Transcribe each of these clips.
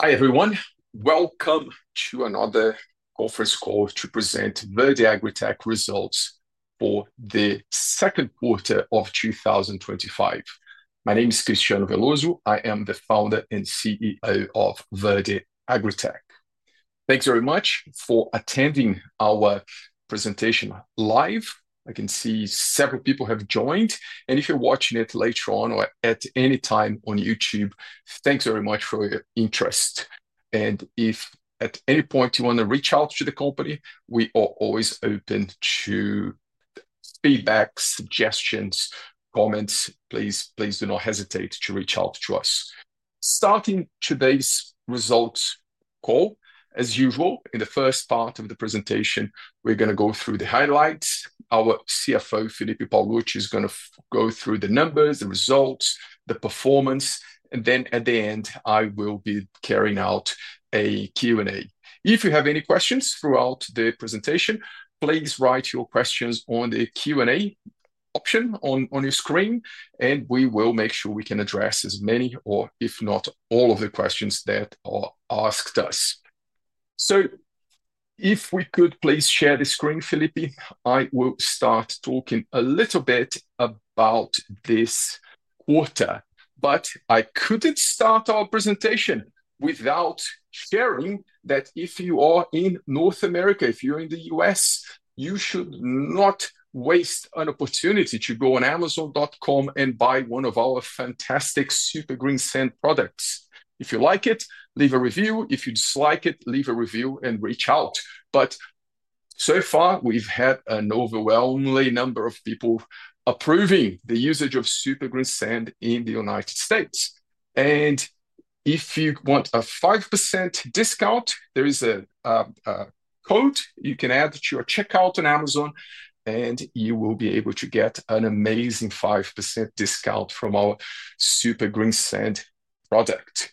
Hi everyone, welcome to another conference call to present Verde AgriTech results for the second quarter of 2025. My name is Cristiano Veloso, I am the founder and CEO of Verde AgriTech. Thanks very much for attending our presentation live. I can see several people have joined, and if you're watching it later on or at any time on YouTube, thanks very much for your interest. If at any point you want to reach out to the company, we are always open to feedback, suggestions, comments. Please, please do not hesitate to reach out to us. Starting today's results call, as usual, in the first part of the presentation, we're going to go through the highlights. Our CFO, Felipe Paolucci, is going to go through the numbers, the results, the performance, and then at the end, I will be carrying out a Q&A. If you have any questions throughout the presentation, please write your questions on the Q&A option on your screen, and we will make sure we can address as many or if not all of the questions that are asked us. If we could please share the screen, Felipe, I will start talking a little bit about this quarter, but I couldn't start our presentation without sharing that if you are in North America, if you're in the U.S., you should not waste an opportunity to go on amazon.com and buy one of our fantastic Super Greensand products. If you like it, leave a review. If you dislike it, leave a review and reach out. So far, we've had an overwhelming number of people approving the usage of Super Greensand in the United States. If you want a 5% discount, there is a code you can add to your checkout on Amazon, and you will be able to get an amazing 5% discount from our Super Greensand product.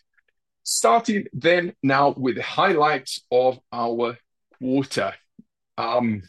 Starting now with the highlights of our quarter. As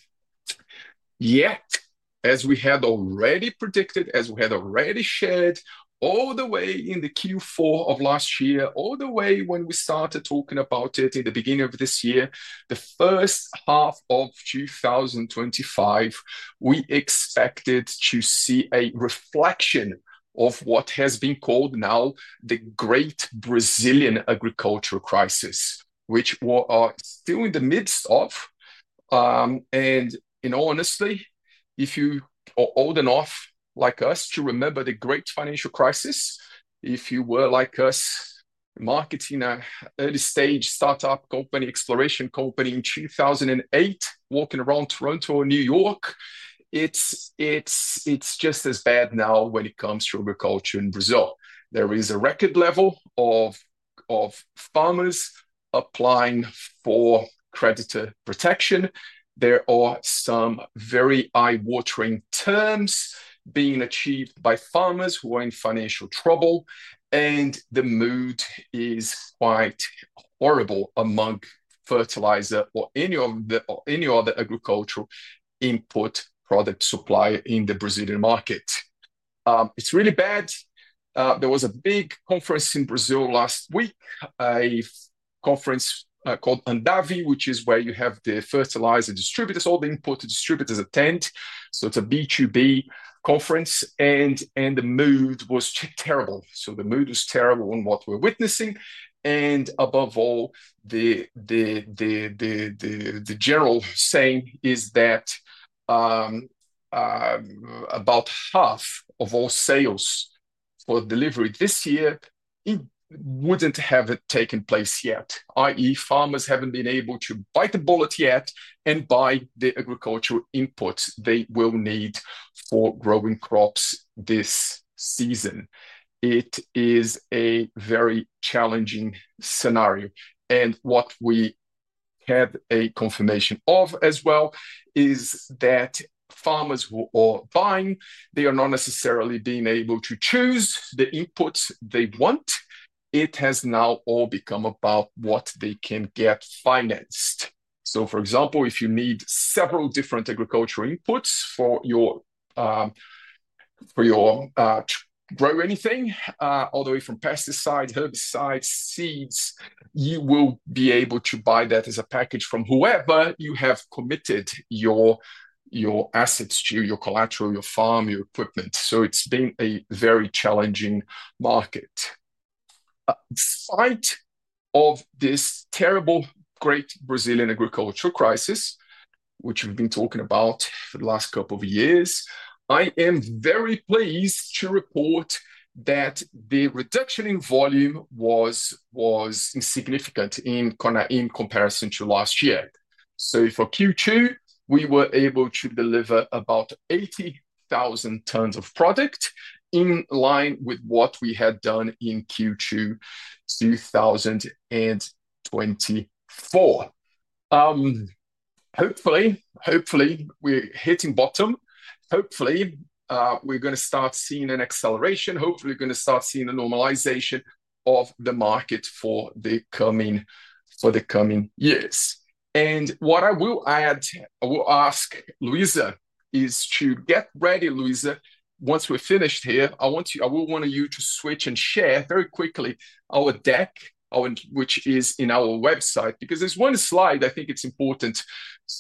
we had already predicted, as we had already shared, all the way in the Q4 of last year, all the way when we started talking about it in the beginning of this year, the first half of 2025, we expected to see a reflection of what has been called now the great Brazilian agricultural crisis, which we are still in the midst of. In all honesty, if you are old enough like us to remember the great financial crisis, if you were like us, marketing an early-stage startup company, exploration company in 2008, walking around Toronto or New York, it's just as bad now when it comes to agriculture in Brazil. There is a record level of farmers applying for creditor protection. There are some very eye-watering terms being achieved by farmers who are in financial trouble, and the mood is quite horrible among fertilizer or any other agricultural input product supplier in the Brazilian market. It's really bad. There was a big conference in Brazil last week, a conference called ANDAV, which is where you have the fertilizer distributors, all the imported distributors attend. It is a B2B conference, and the mood was terrible. The mood was terrible in what we're witnessing. Above all, the general saying is that about half of all sales for delivery this year wouldn't have taken place yet, i.e., farmers haven't been able to bite the bullet yet and buy the agricultural inputs they will need for growing crops this season. It is a very challenging scenario. What we have a confirmation of as well is that farmers who are buying, they are not necessarily being able to choose the inputs they want. It has now all become about what they can get financed. For example, if you need several different agricultural inputs for your grow anything, all the way from pesticide, herbicides, seeds, you will be able to buy that as a package from whoever you have committed your assets to, your collateral, your farm, your equipment. It's been a very challenging market. In spite of this terrible, great Brazilian agricultural crisis, which we've been talking about for the last couple of years, I am very pleased to report that the reduction in volume was insignificant in comparison to last year. For Q2, we were able to deliver about 80,000 tons of product in line with what we had done in Q2 2024. Hopefully, we're hitting bottom. Hopefully, we're going to start seeing an acceleration. Hopefully, we're going to start seeing a normalization of the market for the coming years. What I will add, I will ask Luisa is to get ready, Luisa, once we're finished here. I want you, I will want you to switch and share very quickly our deck, which is in our website, because there's one slide I think it's important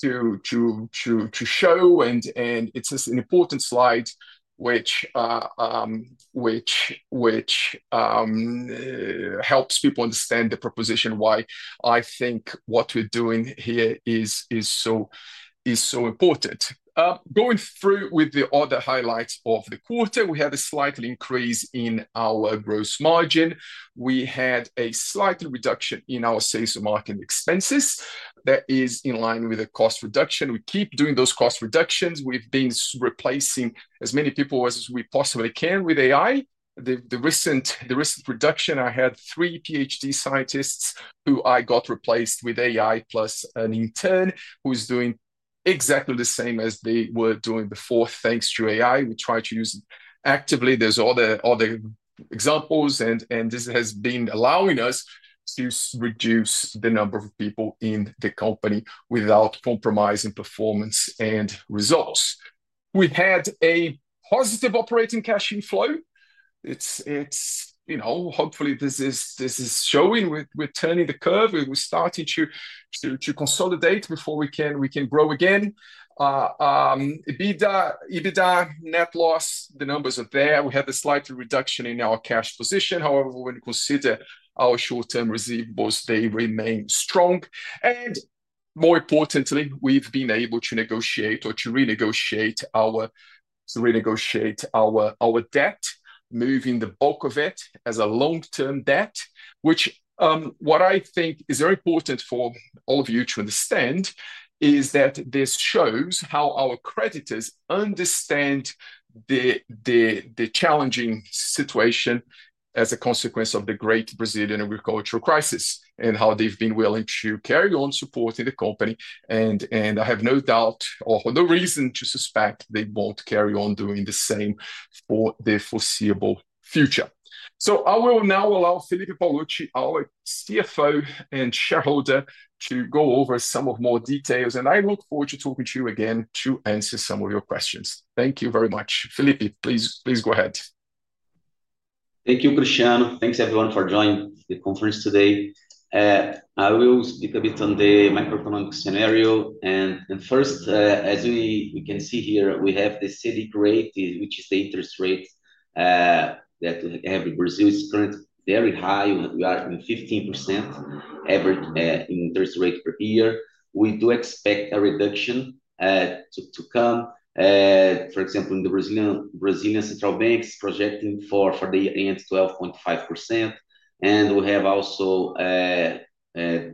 to show, and it's an important slide which helps people understand the proposition why I think what we're doing here is so important. Going through with the other highlights of the quarter, we had a slight increase in our gross margin. We had a slight reduction in our sales and marketing expenses. That is in line with a cost reduction. We keep doing those cost reductions. We've been replacing as many people as we possibly can with AI. The recent reduction, I had three PhD scientists who I got replaced with AI plus an intern who is doing exactly the same as they were doing before thanks to AI. We try to use it actively. There are other examples, and this has been allowing us to reduce the number of people in the company without compromising performance and results. We had a positive operating cash inflow. Hopefully this is showing we're turning the curve. We're starting to consolidate before we can grow again. EBITDA, net loss, the numbers are there. We have a slight reduction in our cash position. However, when you consider our short-term receivables, they remain strong. More importantly, we've been able to negotiate or to renegotiate our debt, moving the bulk of it as a long-term debt, which I think is very important for all of you to understand because this shows how our creditors understand the challenging situation as a consequence of the great Brazilian agricultural crisis and how they've been willing to carry on supporting the company. I have no doubt or no reason to suspect they won't carry on doing the same for the foreseeable future. I will now allow Felipe Paolucci, our CFO and shareholder, to go over some of the more details. I look forward to talking to you again to answer some of your questions. Thank you very much. Felipe, please go ahead. Thank you, Cristiano. Thanks everyone for joining the conference today. I will speak a bit on the microeconomic scenario. First, as we can see here, we have the CDI rate, which is the interest rate that we have in Brazil, is currently very high. We are coming 15% average interest rate per year. We do expect a reduction to come. For example, the Brazilian central bank is projecting for the year end 12.5%. We have also JPMorgan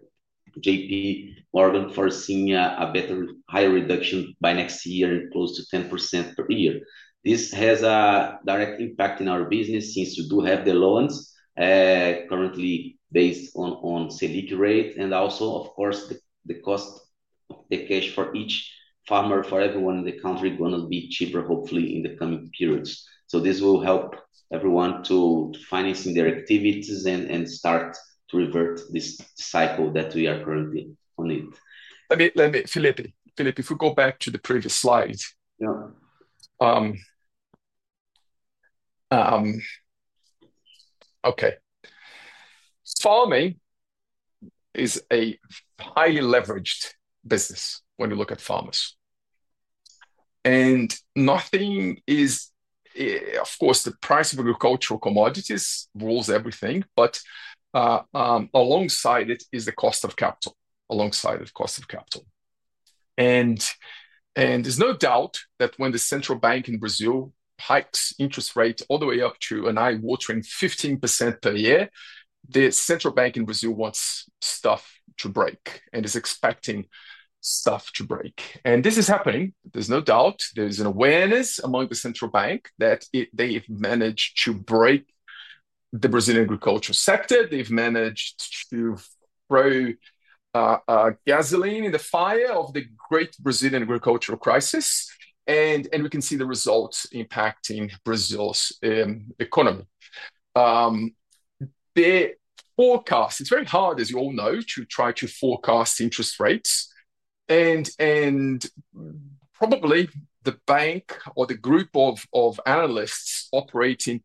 foreseeing a better, higher reduction by next year, close to 10% per year. This has a direct impact in our business since we do have the loans currently based on CDI rate. Of course, the cost of cash for each farmer, for everyone in the country, is going to be cheaper, hopefully, in the coming periods. This will help everyone to finance their activities and start to revert this cycle that we are currently on it. Felipe, if we go back to the previous slide. Yeah. Okay. Farming is a highly leveraged business when you look at farmers. Nothing is, of course, the price of agricultural commodities rules everything, but alongside it is the cost of capital, alongside the cost of capital. There's no doubt that when the central bank in Brazil hikes interest rates all the way up to an eye-watering 15% per year, the central bank in Brazil wants stuff to break and is expecting stuff to break. This is happening. There's no doubt. There's an awareness among the central bank that they've managed to break the Brazilian agricultural sector. They've managed to throw gasoline in the fire of the great Brazilian agricultural crisis. We can see the results impacting Brazil's economy. The forecast, it's very hard, as you all know, to try to forecast interest rates. Probably the bank or the group of analysts operating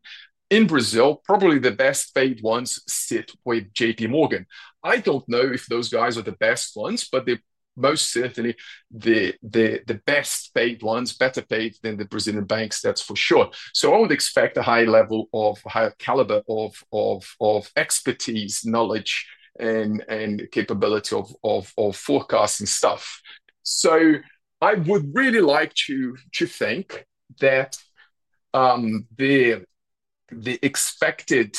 in Brazil, probably the best paid ones sit with JPMorgan. I don't know if those guys are the best ones, but they're most certainly the best paid ones, better paid than the Brazilian banks, that's for sure. I would expect a high level of higher caliber of expertise, knowledge, and capability of forecasting stuff. I would really like to think that the expected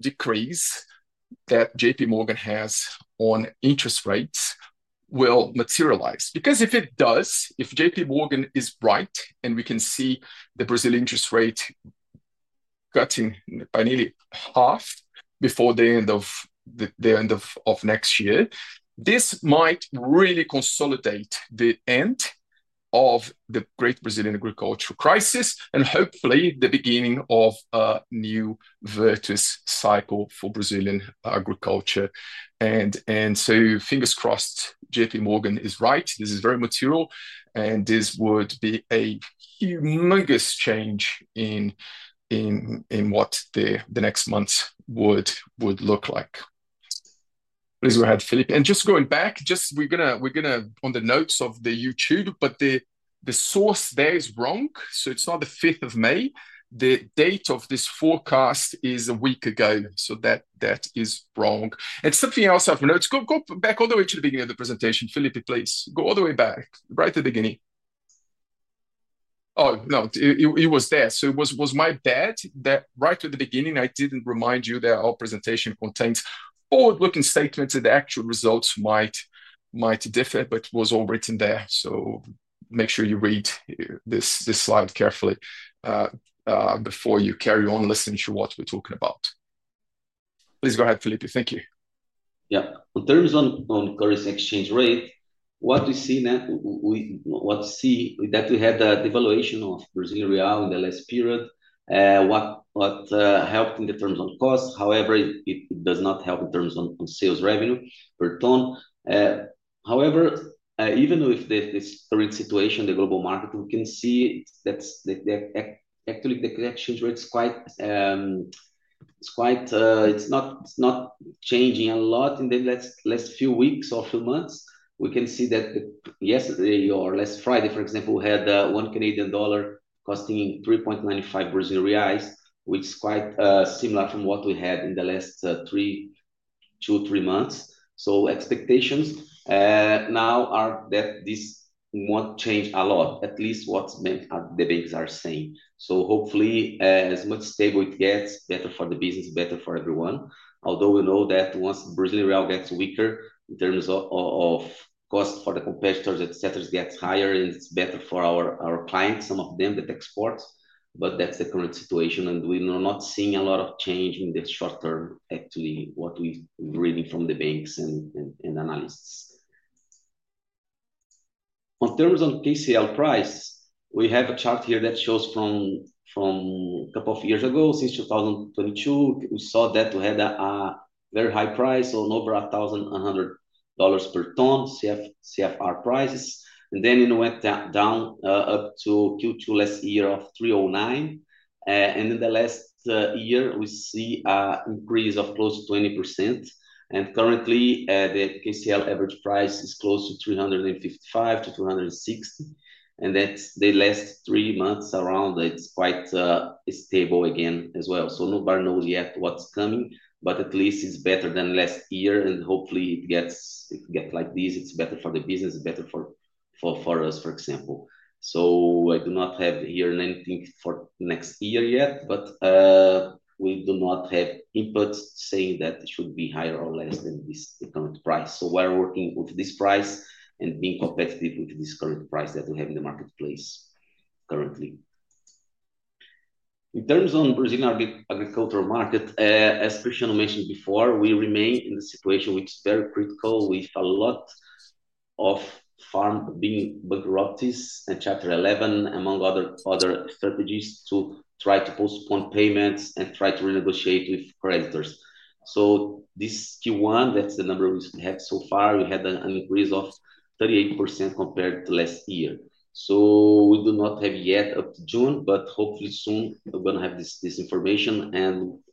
decrease that JPMorgan has on interest rates will materialize. Because if it does, if JPMorgan is right and we can see the Brazilian interest rate cutting nearly half before the end of next year, this might really consolidate the end of the great Brazilian agricultural crisis and hopefully the beginning of a new virtuous cycle for Brazilian agriculture. Fingers crossed, JPMorgan is right. This is very material. This would be a humongous change in what the next month would look like. Please go ahead, Felipe. Just going back, just we're going to, on the notes of the YouTube, but the source there is wrong. It's not the 5th of May. The date of this forecast is a week ago. That is wrong. Something else I've noticed, go back all the way to the beginning of the presentation, Felipe, please. Go all the way back, right at the beginning. Oh, no, it was there. It was my bad that right at the beginning, I didn't remind you that our presentation contains forward-looking statements that the actual results might differ, but it was all written there. Make sure you read this slide carefully before you carry on listening to what we're talking about. Please go ahead, Felipe. Thank you. Yeah. In terms of currency exchange rate, what we see now is that we had the devaluation of Brazilian real in the last period, which helped in terms of cost. However, it does not help in terms of sales revenue per ton. However, even with this current situation, the global market, we can see that actually the exchange rate is quite stable, it's not changing a lot. In the last few weeks or a few months, we can see that yesterday or last Friday, for example, we had one Canadian dollar costing R$3.95, which is quite similar to what we had in the last two or three months. Expectations now are that this won't change a lot, at least according to what the banks are saying. Hopefully, the more stable it gets, the better for the business, better for everyone. Although we know that once the Brazilian real gets weaker in terms of cost for the competitors, it gets higher, it's better for our clients, some of them, the exports, but that's the current situation. We're not seeing a lot of change in the short-term, actually, from what we're reading from the banks and analysts. In terms of KCL price, we have a chart here that shows from a couple of years ago, since 2022. We saw that we had a very high price of over $1,100 per ton, CFR prices. Then it went down up to Q2 last year of $309. In the last year, we see an increase of close to 20%. Currently, the KCL average price is close to $355-$360, and that's the last three months around. It's quite stable again as well. Nobody knows yet what's coming, but at least it's better than last year. Hopefully, it gets like this. It's better for the business, better for us, for example. I do not have here anything for next year yet, but we do not have inputs saying that it should be higher or less than this current price. We're working with this price and being competitive with this current price that we have in the marketplace currently. In terms of Brazilian agricultural market, as Cristiano mentioned before, we remain in a situation which is very critical with a lot of farms being bankrupted in Chapter 11, among other strategies to try to postpone payments and try to renegotiate with creditors. This Q1, that's the number we have so far, we had an increase of 38% compared to last year. We do not have yet up to June, but hopefully soon, we're going to have this information.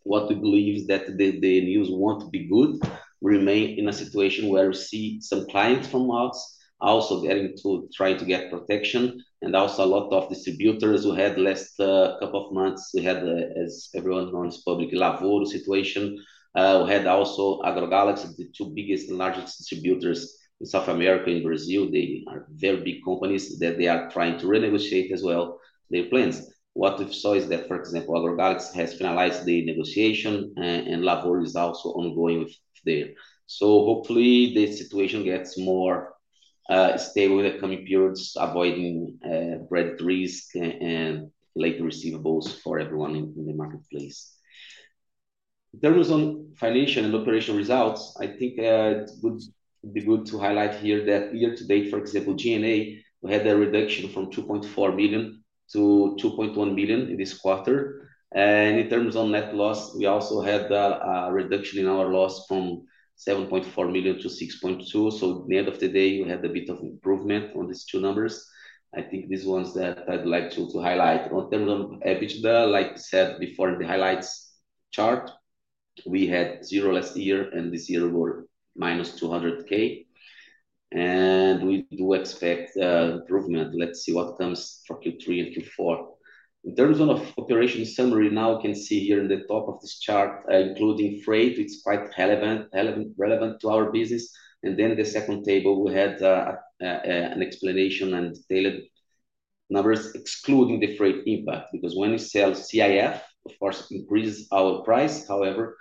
What we believe is that the news won't be good. We remain in a situation where we see some clients from us also getting to try to get protection. Also, a lot of distributors who had the last couple of months, we had, as everyone knows, the public lab order situation. We had also AgroGalaxy, the two biggest and largest distributors in South America and Brazil. They are very big companies that they are trying to renegotiate as well their plans. What we saw is that, for example, AgroGalaxy has finalized the negotiation and Labor is also ongoing there. Hopefully, the situation gets more stable in the coming periods, avoiding credit risk and later receivables for everyone in the marketplace. In terms of financial and operational results, I think it would be good to highlight here that year to date, for example, G&A, we had a reduction from $2.4 million-$2.1 million in this quarter. In terms of net loss, we also had a reduction in our loss from $7.4 million-$6.2 million. At the end of the day, we had a bit of improvement on these two numbers. I think these ones that I'd like to highlight. In terms of EBITDA, like we said before in the highlights chart, we had zero last year and this year were -$200K. We do expect improvement. Let's see what comes from Q3 and Q4. In terms of operations summary, now we can see here in the top of this chart, including freight, it's quite relevant to our business. In the second table, we had an explanation and tailored numbers excluding the freight EBITDA, because when you sell CIF, of course, it increases our price. However,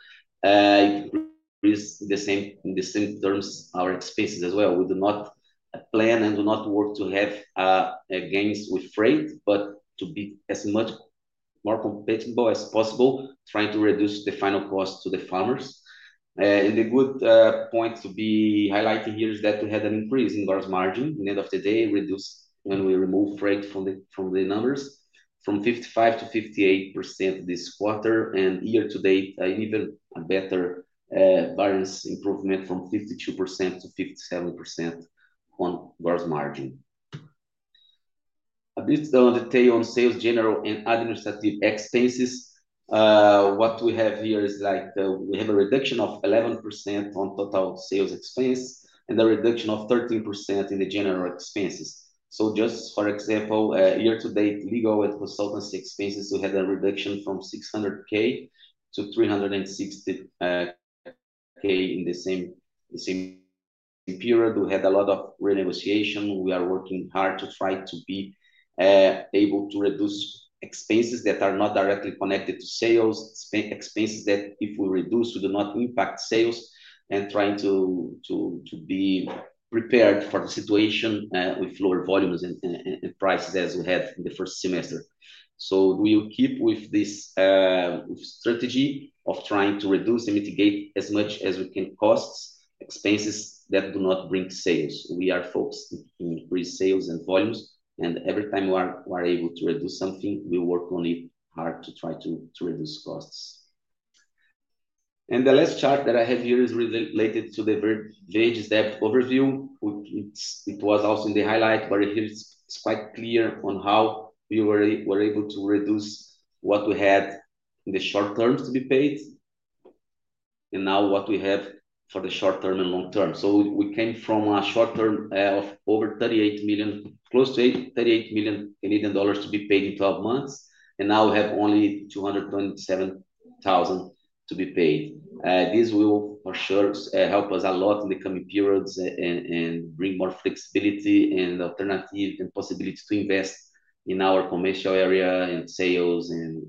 it increases in the same terms our expenses as well. We do not plan and do not work to have gains with freight, but to be as much more compatible as possible, trying to reduce the final cost to the farmers. The good point to be highlighting here is that we had an increase in gross margin. At the end of the day, we reduced when we removed freight from the numbers from 55%-58% this quarter. Year-to-date, an even better improvement from 52%-57% on gross margin. A bit on detail on sales, general and administrative expenses. What we have here is like we have a reduction of 11% on total sales expense and a reduction of 13% in the general expenses. Just for example, year to date, legal and consultancy expenses, we had a reduction from $600,000-$360,000 in the same period. We had a lot of renegotiation. We are working hard to try to be able to reduce expenses that are not directly connected to sales, expenses that if we reduce, we do not impact sales, and trying to be prepared for the situation with lower volumes and prices as we had in the first semester. We keep with this strategy of trying to reduce and mitigate as much as we can costs, expenses that do not bring sales. We are focused on increased sales and volumes. Every time we are able to reduce something, we work on it hard to try to reduce costs. The last chart that I have here is related to the very latest debt overview. It was also in the highlight where it's quite clear on how we were able to reduce what we had in the short-term to be paid and now what we have for the short-term and long-term. We came from a short-term of over $38 million, close to $38 million Canadian dollars to be paid in 12 months, and now we have only $227,000 to be paid. This will for sure help us a lot in the coming periods and bring more flexibility and alternatives and possibilities to invest in our commercial area and sales and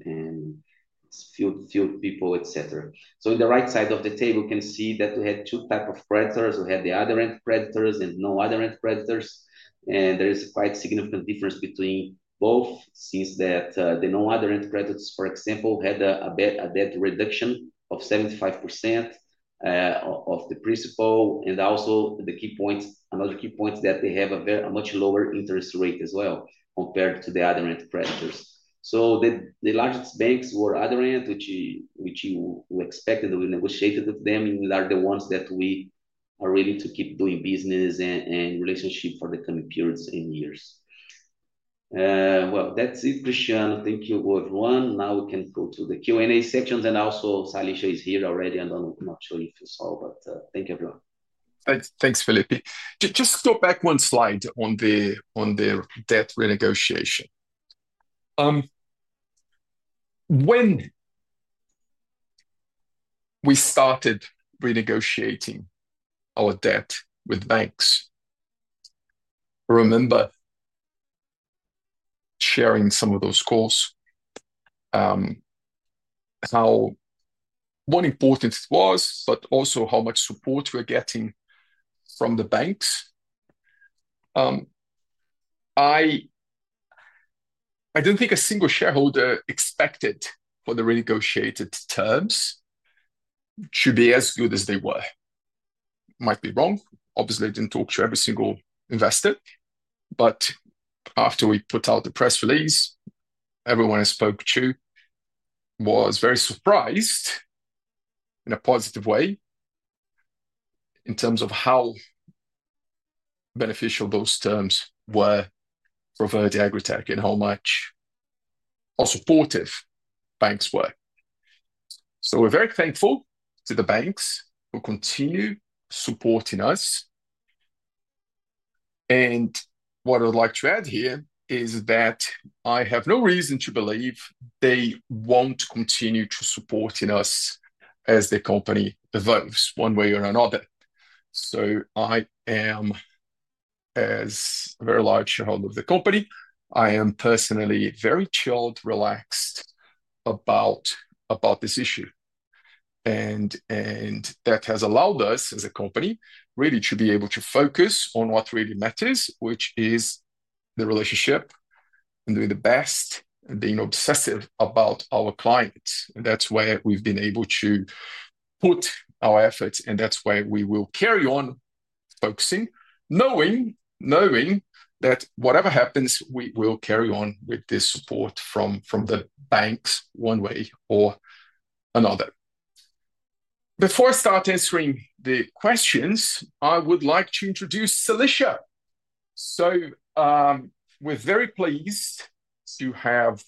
field people, etc. On the right side of the table, you can see that we had two types of creditors. We had the other end creditors and no other end creditors. There is a quite significant difference between both since the no other end creditors, for example, had a debt reduction of 75% of the principal. Another key point is that they have a very much lower interest rate as well compared to the other end creditors. The largest banks were other ends, which we expected and we negotiated with them, and they are the ones that we are willing to keep doing business and relationship for the coming periods and years. That's it, Cristiano. Thank you everyone. Now we can go to the Q&A sections, and also Salisha is here already. I'm not sure if you saw her, but thank you everyone. Thanks, Felipe. Just to go back one slide on the debt renegotiation. When we started renegotiating our debt with banks, I remember sharing some of those calls, how important it was, but also how much support we're getting from the banks. I don't think a single shareholder expected for the renegotiated terms to be as good as they were. I might be wrong. Obviously, I didn't talk to every single investor, but after we put out the press release, everyone I spoke to was very surprised in a positive way in terms of how beneficial those terms were for Verde AgriTech and how much our supportive banks were. We are very thankful to the banks who continue supporting us. What I'd like to add here is that I have no reason to believe they won't continue to support us as the company evolves one way or another. As a very large shareholder of the company, I am personally very chilled, relaxed about this issue. That has allowed us as a company really to be able to focus on what really matters, which is the relationship and doing the best and being obsessive about our clients. That's where we've been able to put our efforts, and that's where we will carry on focusing, knowing that whatever happens, we will carry on with this support from the banks one way or another. Before I start answering the questions, I would like to introduce Salisha. We are very pleased to have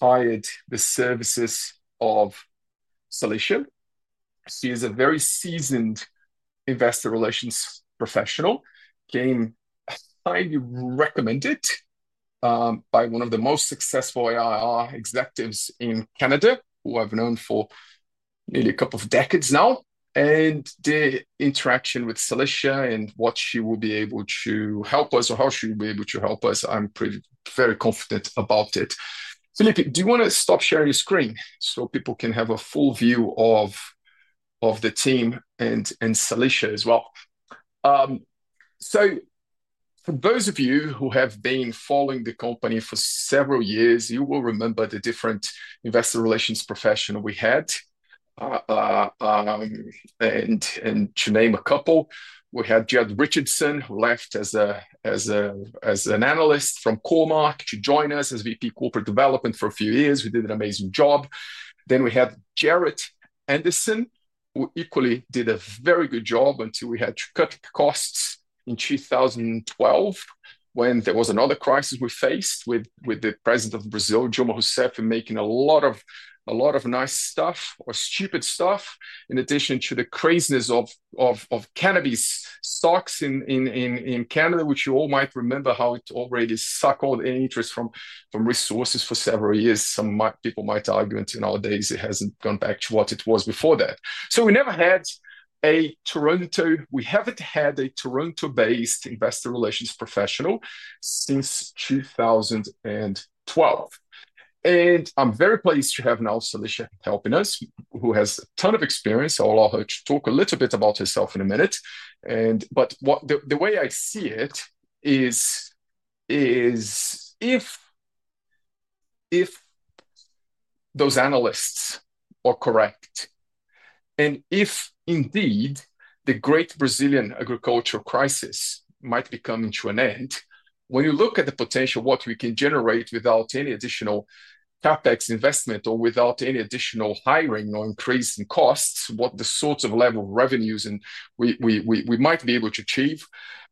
hired the services of Salisha. She is a very seasoned investor relations professional, highly recommended by one of the most successful IR executives in Canada, who I've known for nearly a couple of decades now. The interaction with Salisha and what she will be able to help us or how she will be able to help us, I'm pretty very confident about it. Felipe, do you want to stop sharing your screen so people can have a full view of the team and Salisha as well? For those of you who have been following the company for several years, you will remember the different investor relations professionals we had. To name a couple, we had Jud Richardson, who left as an analyst from Cormark to join us as VP Corporate Development for a few years. We did an amazing job. We had Jarett Anderson, who equally did a very good job until we had to cut costs in 2012 when there was another crisis we faced with the President of Brazil, Dilma Rousseff, making a lot of nice stuff or stupid stuff, in addition to the craziness of cannabis stocks in Canada, which you all might remember how it already sucked all the interest from resources for several years. Some people might argue until nowadays it hasn't gone back to what it was before that. We never had a Toronto-based investor relations professional since 2012. I'm very pleased to have now Salisha helping us, who has a ton of experience. I'll allow her to talk a little bit about herself in a minute. The way I see it is if those analysts are correct and if indeed the great Brazilian agricultural crisis might be coming to an end, when you look at the potential of what we can generate without any additional CapEx investment or without any additional hiring or increase in costs, what the sort of level of revenues we might be able to achieve,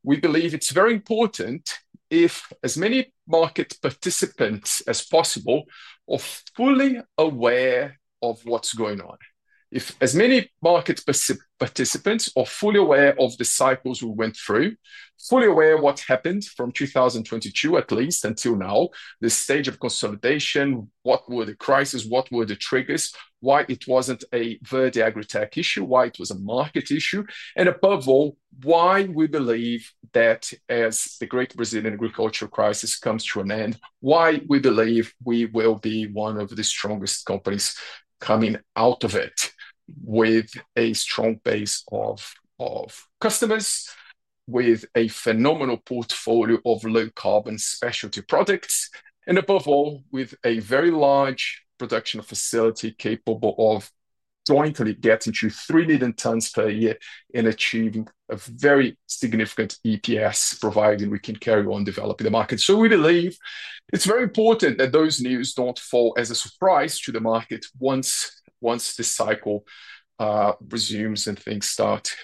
we believe it's very important if as many market participants as possible are fully aware of what's going on. If as many market participants are fully aware of the cycles we went through, fully aware of what happened from 2022 at least until now, the stage of consolidation, what were the crises, what were the triggers, why it wasn't a Verde AgriTech issue, why it was a market issue, and above all, why we believe that as the great Brazilian agricultural crisis comes to an end, why we believe we will be one of the strongest companies coming out of it with a strong base of customers, with a phenomenal portfolio of low-carbon specialty products, and above all, with a very large production facility capable of jointly getting to three million tons per year and achieving a very significant EPS providing we can carry on developing the market. We believe it's very important that those news don't fall as a surprise to the market once the cycle resumes and things start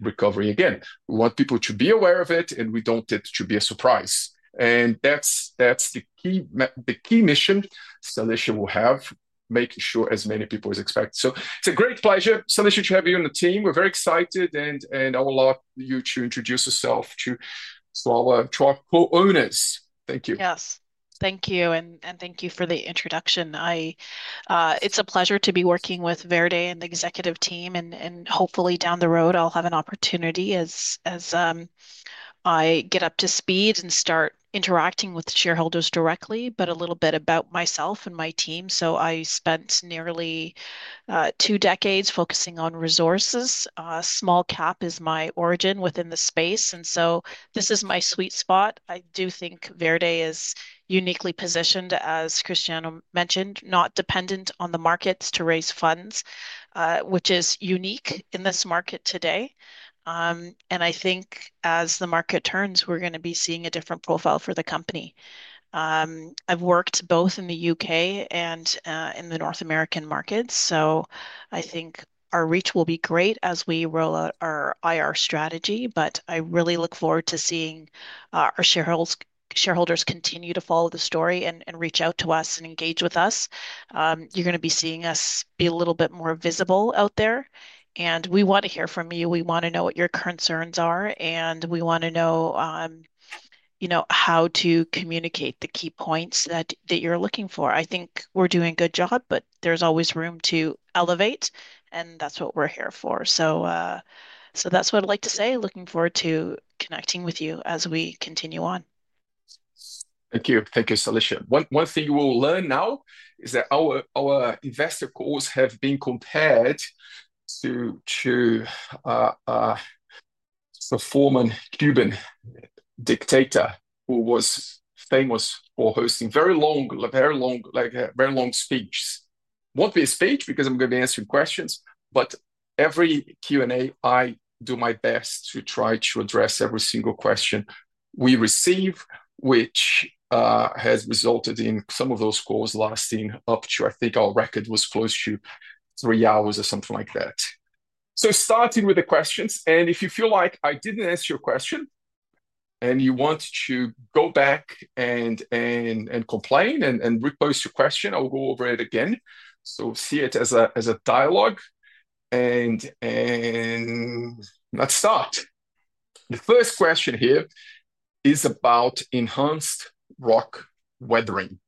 recovering again. We want people to be aware of it and we don't want it to be a surprise. That's the key mission Salisha will have, making sure as many people as expect. It's a great pleasure, Salisha, to have you on the team. We're very excited and I'll allow you to introduce yourself to our co-owners. Thank you. Yes, thank you and thank you for the introduction. It's a pleasure to be working with Verde and the executive team and hopefully down the road I'll have an opportunity as I get up to speed and start interacting with shareholders directly. A little bit about myself and my team. I spent nearly two decades focusing on resources. Small cap is my origin within the space and this is my sweet spot. I do think Verde is uniquely positioned, as Cristiano mentioned, not dependent on the markets to raise funds, which is unique in this market today. I think as the market turns, we're going to be seeing a different profile for the company. I've worked both in the U.K., and in the U.S., markets, so I think our reach will be great as we roll out our IR strategy. I really look forward to seeing our shareholders continue to follow the story and reach out to us and engage with us. You're going to be seeing us be a little bit more visible out there and we want to hear from you. We want to know what your concerns are and we want to know how to communicate the key points that you're looking for. I think we're doing a good job, but there's always room to elevate and that's what we're here for. That's what I'd like to say. Looking forward to connecting with you as we continue on. Thank you. Thank you, Salisha. One thing you will learn now is that our investor calls have been compared to a former Cuban dictator who was famous for hosting very long, very long speeches. It won't be a speech because I'm going to be answering questions, but every Q&A, I do my best to try to address every single question we receive, which has resulted in some of those calls lasting up to, I think our record was close to three hours or something like that. Starting with the questions, if you feel like I didn't answer your question and you want to go back and complain and repost your question, I'll go over it again. See it as a dialogue and let's start. The first question here is about enhanced rock weathering.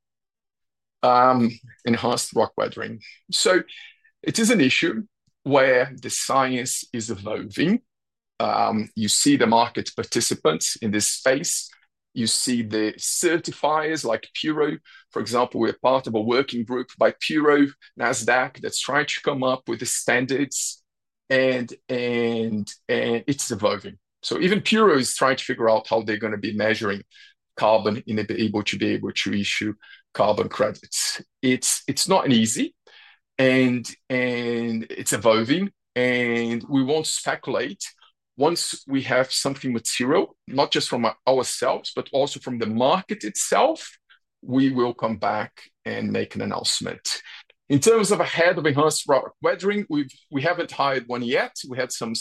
Enhanced rock weathering is an issue where the science is evolving. You see the market participants in this space. You see the certifiers like Puro, for example, we're part of a working group by Puro, NASDAQ, that's trying to come up with the standards and it's evolving. Even Puro is trying to figure out how they're going to be measuring carbon and be able to issue carbon credits. It's not easy and it's evolving and we won't speculate. Once we have something material, not just from ourselves, but also from the market itself, we will come back and make an announcement. In terms of a head of enhanced rock weathering, we haven't hired one yet. We had some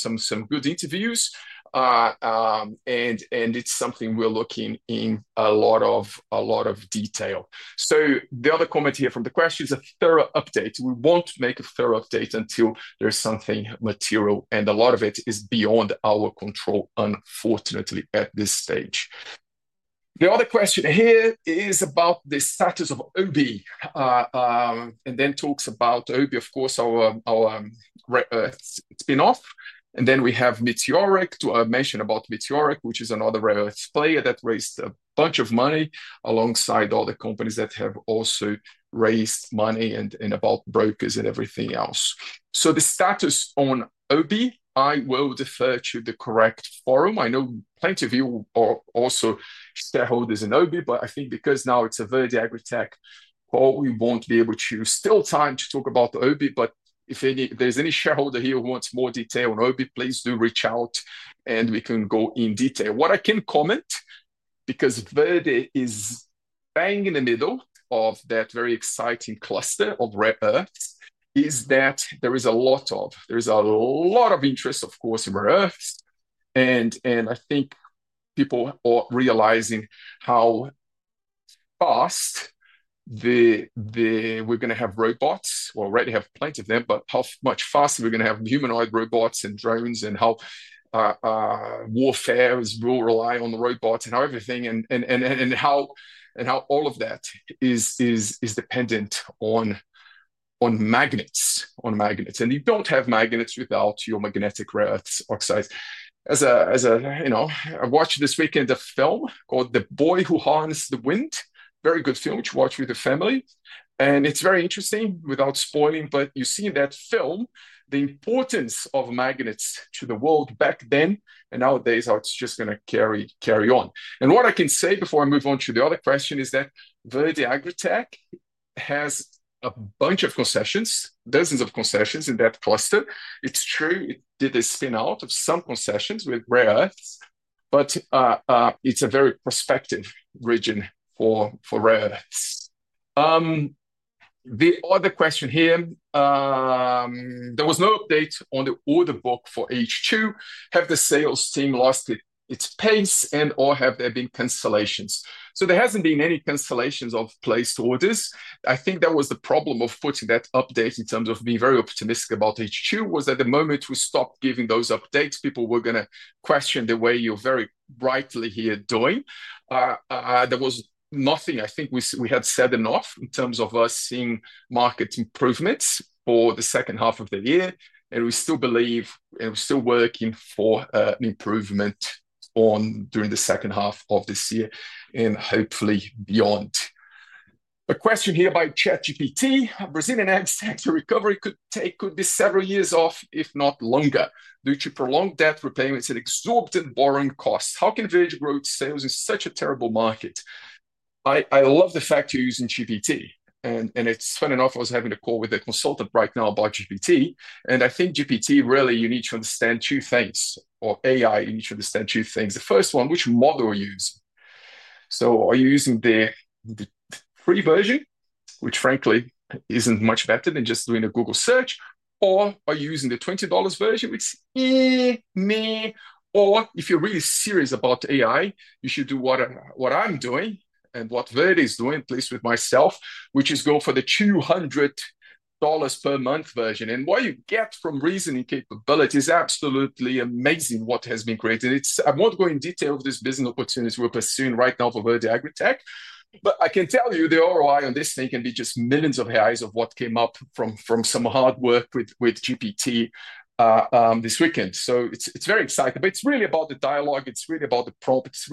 good interviews and it's something we're looking at in a lot of detail. The other comment here from the question is a thorough update. We won't make a thorough update until there's something material and a lot of it is beyond our control, unfortunately, at this stage. The other question here is about the status of OBI and then talks about OBI, of course, our spin-off. Then we have Meteoric, to mention about Meteoric, which is another relevant player that raised a bunch of money alongside all the companies that have also raised money and about brokers and everything else. The status on OBI, I will defer to the correct forum. I know plenty of you are also shareholders in OBI, but I think because now it's a Verde AgriTech call, we won't be able to steal time to talk about OBI, but if there's any shareholder here who wants more detail on OBI, please do reach out and we can go in detail. What I can comment, because Verde is bang in the middle of that very exciting cluster of rare earths, is that there is a lot of interest, of course, in rare earths. I think people are realizing how fast we're going to have robots, or we already have plenty of them, but how much faster we're going to have humanoid robots and drones and how warfares will rely on the robots and how everything and how all of that is dependent on magnets. You don't have magnets without your magnetic rare earths oxides. I watched this weekend a film called The Boy Who Haunts the Wind. Very good film to watch with the family. It's very interesting, without spoiling, but you see in that film the importance of magnets to the world back then, and nowadays it's just going to carry on. What I can say before I move on to the other question is that Verde AgriTech has a bunch of concessions, dozens of concessions in that cluster. It's true, it did a spin-out of some concessions with rare earths, but it's a very prospective region for rare earths. The other question here, there was no update on the order book for H2. Have the sales team lost its pace and/or have there been cancellations? There hasn't been any cancellations of placed orders. I think that was the problem of putting that update in terms of being very optimistic about H2. At the moment we stopped giving those updates, people were going to question the way you're very brightly here doing. There was nothing, I think we had said enough in terms of us seeing market improvements for the second half of the year. We still believe and we're still working for an improvement during the second half of this year and hopefully beyond. A question here by ChatGPT. Brazilian ag sector recovery could take could be several years off, if not longer, due to prolonged debt repayments and exorbitant borrowing costs. How can Verde grow its sales in such a terrible market? I love the fact you're using GPT. Funny enough, I was having a call with a consultant right now about GPT. I think GPT really, you need to understand two things, or AI, you need to understand two things. The first one, which model are you using? Are you using the free version, which frankly isn't much better than just doing a Google search, or are you using the $20 version, which is meh, or if you're really serious about AI, you should do what I'm doing and what Verde is doing, at least with myself, which is go for the $200 per month version. What you get from reasoning capability is absolutely amazing what has been created. I won't go in detail with this business opportunity we're pursuing right now for Verde AgriTech, but I can tell you the ROI on this thing can be just millions of AIs of what came up from some hard work with GPT this weekend. It's very exciting, but it's really about the dialogue. It's really about the prompt.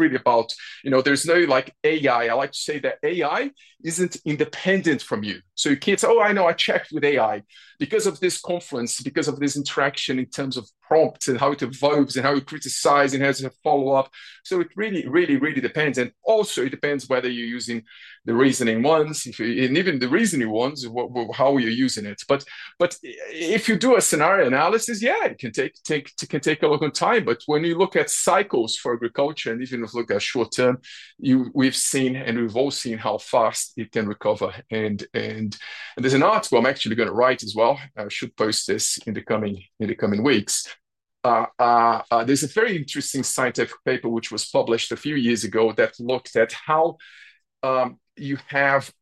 There's no like AI. I like to say that AI isn't independent from you. You can't, oh, I know, I checked with AI because of this conference, because of this interaction in terms of prompts and how it evolves and how it criticizes and has a follow-up. It really, really, really depends. It also depends whether you're using the reasoning ones and even the reasoning ones, how you're using it. If you do a scenario analysis, it can take a long time. When you look at cycles for agriculture and even look at short term, we've seen and we've all seen how fast it can recover. There's an article I'm actually going to write as well. I should post this in the coming weeks. There's a very interesting scientific paper which was published a few years ago that looked at how you have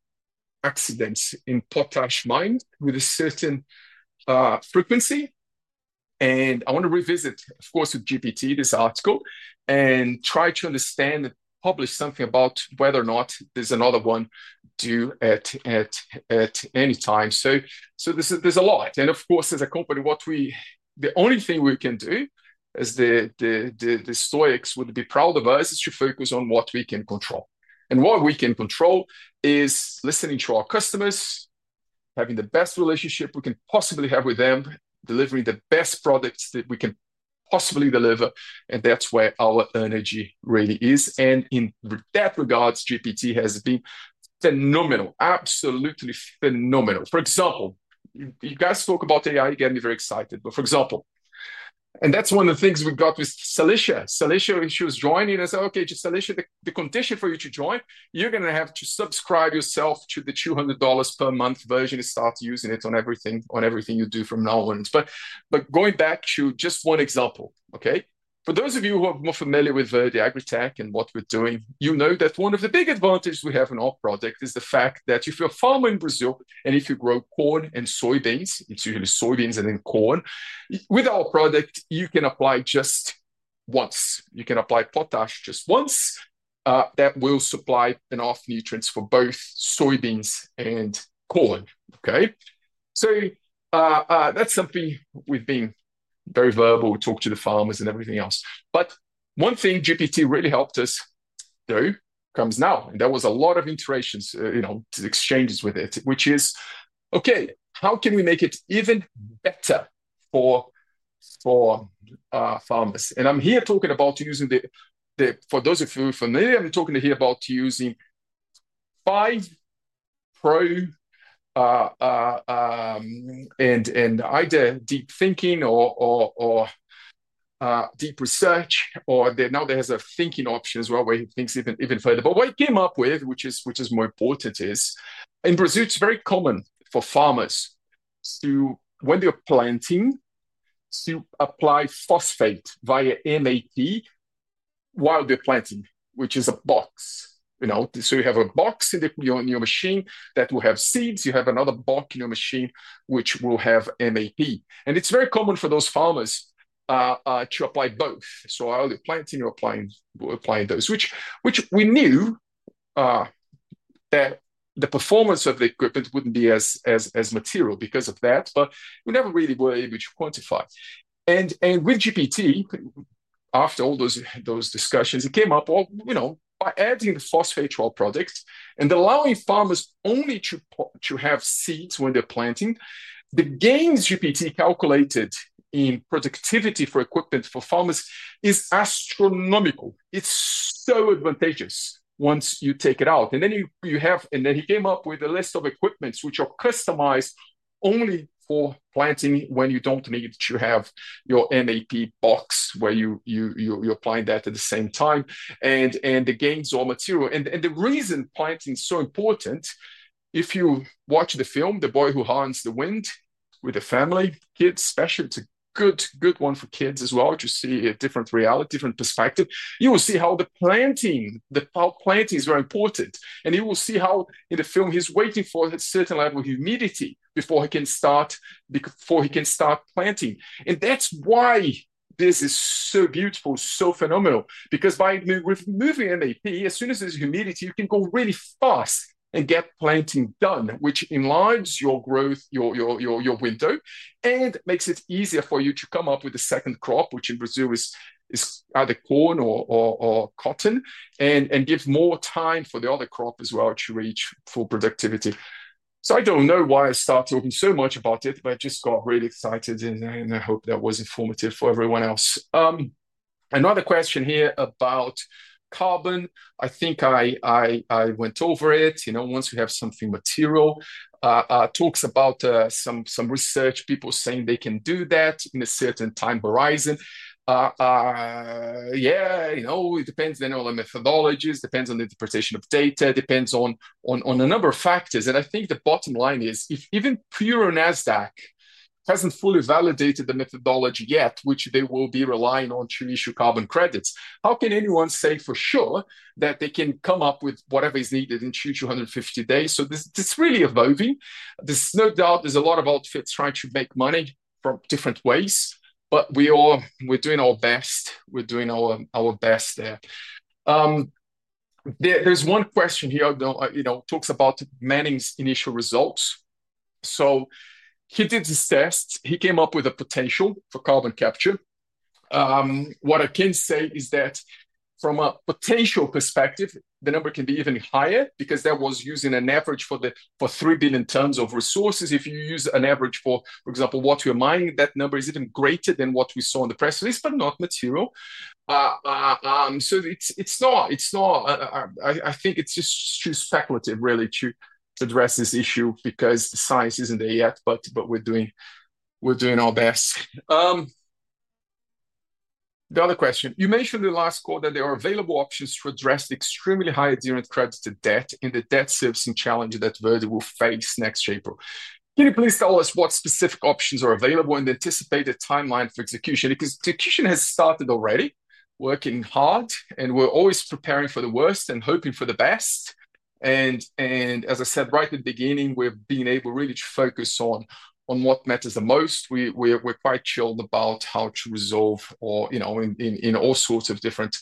accidents in potash mine with a certain frequency. I want to revisit, of course, with GPT this article and try to understand and publish something about whether or not there's another one due at any time. There's a lot. As a company, the only thing we can do, as the stoics would be proud of us, is to focus on what we can control. What we can control is listening to our customers, having the best relationship we can possibly have with them, delivering the best products that we can possibly deliver. That's where our energy really is. In that regard, GPT has been phenomenal, absolutely phenomenal. For example, you guys talk about AI getting me very excited. For example, and that's one of the things we got with Salisha. Salisha, when she was joining, I said, okay, Salisha, the condition for you to join, you're going to have to subscribe yourself to the $200 per month version and start using it on everything you do from now on. Going back to just one example, for those of you who are more familiar with Verde AgriTech and what we're doing, you know that one of the big advantages we have in our project is the fact that if you're a farmer in Brazil and if you grow corn and soybeans, it's usually soybeans and then corn, with our product, you can apply just once. You can apply potash just once. That will supply enough nutrients for both soybeans and corn. That's something we've been very verbal. We talk to the farmers and everything else. One thing GPT really helped us do comes now. There was a lot of interactions, exchanges with it, which is, how can we make it even better for farmers? I'm here talking about using the, for those of you who are familiar, I'm talking here about using Pi, Pro, and either deep thinking or deep research, or now there is a thinking option as well where he thinks even further. What he came up with, which is more important, is in Brazil, it's very common for farmers to, when they're planting, to apply phosphate via MAP while they're planting, which is a box. You have a box in your machine that will have seeds. You have another box in your machine which will have MAP. It's very common for those farmers to apply both. While you're planting, you're applying those, which we knew that the performance of the equipment wouldn't be as material because of that, but we never really were able to quantify it. With GPT, after all those discussions, it came up, by adding the phosphate to our product and allowing farmers only to have seeds when they're planting, the gains GPT calculated in productivity for equipment for farmers is astronomical. It's so advantageous once you take it out. He came up with a list of equipments which are customized only for planting when you don't need to have your MAP box where you're applying that at the same time. The gains are material. The reason planting is so important, if you watch the film, The Boy Who Haunts the Wind, with the family, kids, especially it's a good one for kids as well to see a different reality, different perspective, you will see how the planting, the planting is very important. You will see how in the film he's waiting for a certain level of humidity before he can start planting. That's why this is so beautiful, so phenomenal, because by moving MAP, as soon as there's humidity, you can go really fast and get planting done, which enlarges your growth, your window, and makes it easier for you to come up with a second crop, which in Brazil is either corn or cotton, and gives more time for the other crop as well to reach full productivity. I don't know why I started talking so much about it, but I just got really excited, and I hope that was informative for everyone else. Another question here about carbon. I think I went over it. You know, once we have something material, talks about some research, people saying they can do that in a certain time horizon. Yeah, you know, it depends then on the methodologies. It depends on the interpretation of data. It depends on a number of factors. I think the bottom line is, if even Puro and NASDAQ hasn't fully validated the methodology yet, which they will be relying on to issue carbon credits, how can anyone say for sure that they can come up with whatever is needed in 250 days? This is really evolving. There's no doubt there's a lot of outfits trying to make money from different ways, but we're doing our best. We're doing our best there. There's one question here that talks about Manning's initial results. He did the tests. He came up with a potential for carbon capture. What I can say is that from a potential perspective, the number can be even higher because that was using an average for three billion tons of resources. If you use an average for, for example, what we're mining, that number is even greater than what we saw in the press release, but not material. It's not, I think it's just too speculative really to address this issue because the science isn't there yet, but we're doing our best. The other question, you mentioned in the last call that there are available options to address the extremely high adherent credit to debt and the debt servicing challenge that Verde will face next April. Can you please tell us what specific options are available and the anticipated timeline for execution? Execution has started already, working hard, and we're always preparing for the worst and hoping for the best. As I said right at the beginning, we've been able really to focus on what matters the most. We're quite chilled about how to resolve or, you know, in all sorts of different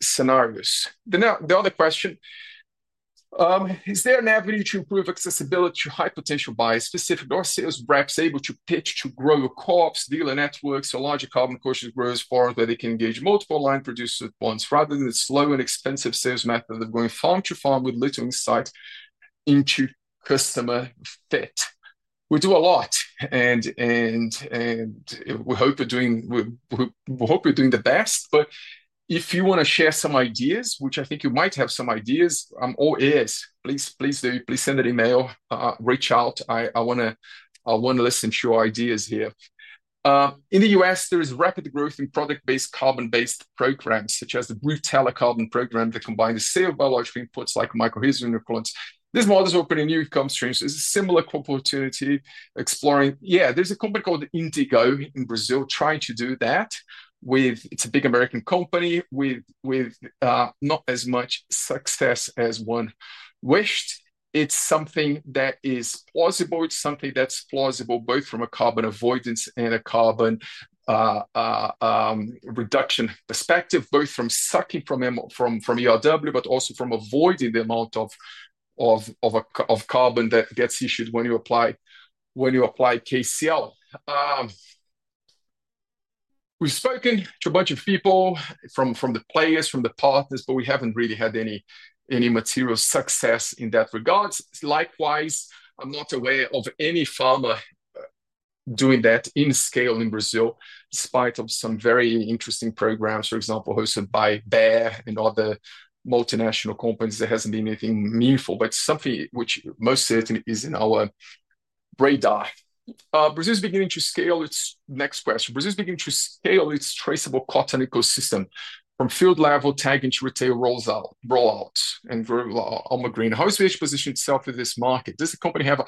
scenarios. The other question, is there an avenue to improve accessibility to high potential buyers? Specifically, are sales reps able to pitch to grower co-ops, dealer networks, or larger carbon quotient growers for where they can engage multiple line producers at once rather than the slow and expensive sales method of going farm to farm with little insight into customer fit? We do a lot, and we hope you're doing the best. If you want to share some ideas, which I think you might have some ideas, please, please, please send an email, reach out. I want to listen to your ideas here. In the U.S., there is rapid growth in product-based, carbon-based programs such as the Blue Teller Carbon program that combines the sale of biological inputs like microhydrogen nucleons. This model is opening new income streams. There's a similar opportunity exploring, yeah, there's a company called Indigo in Brazil trying to do that with, it's a big American company with not as much success as one wished. It's something that is plausible. It's something that's plausible both from a carbon avoidance and a carbon reduction perspective, both from sucking from URW, but also from avoiding the amount of carbon that gets issued when you apply KCL. We've spoken to a bunch of people from the players, from the partners, but we haven't really had any material success in that regard. Likewise, I'm not aware of any farmer doing that in scale in Brazil, despite some very interesting programs, for example, hosted by Bayer and other multinational companies. There hasn't been anything meaningful, but something which most certainly is in our radar. Brazil is beginning to scale its next question. Brazil is beginning to scale its traceable cotton ecosystem from field level tagging to retail rollout and green homes which position itself in this market. Does the company have a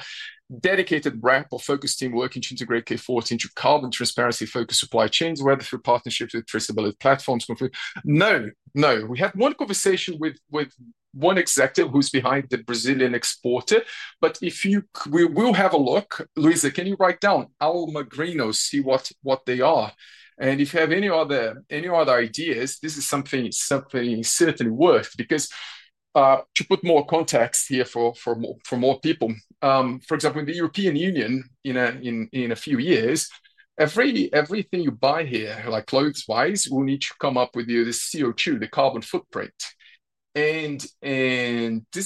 dedicated rep or focused team working to integrate K Forte into carbon transparency-focused supply chains, whether through partnerships with traceability platforms? No, no. We had one conversation with one executive who's behind the Brazilian exporter, but if you will have a look, Luisa, can you write down Almagrinos, see what they are? And if you have any other ideas, this is something certainly worth because to put more context here for more people. For example, in the European Union, in a few years, everything you buy here, like clothes-wise, will need to come up with the CO2, the carbon footprint. This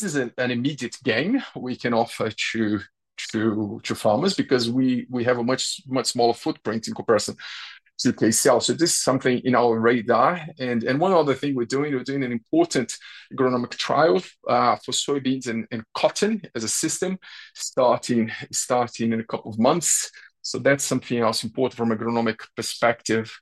is an immediate gain we can offer to farmers because we have a much smaller footprint in comparison to KCL. This is something in our radar. One other thing we're doing, we're doing an important agronomic trial for soybeans and cotton as a system starting in a couple of months. That's something else important from an agronomic perspective.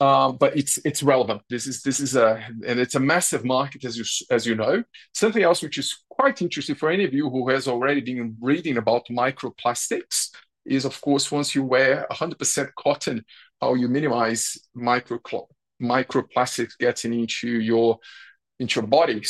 It's relevant. This is a, and it's a massive market, as you know. Something else which is quite interesting for any of you who has already been reading about microplastics is, of course, once you wear 100% cotton, how you minimize microplastics getting into your body.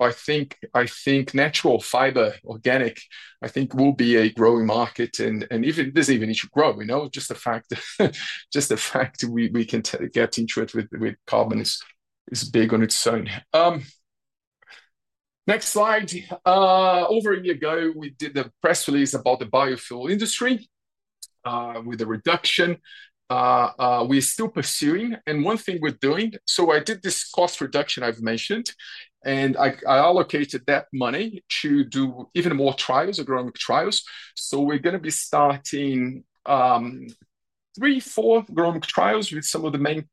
I think natural fiber, organic, I think will be a growing market. Even if there's even need to grow, you know, just the fact that we can get into it with carbon is big on its own. Next slide. Over a year ago, we did the press release about the biofuel industry with a reduction. We're still pursuing. One thing we're doing, I did this cost reduction I've mentioned, and I allocated that money to do even more trials, agronomic trials. We're going to be starting three, four agronomic trials with some of the main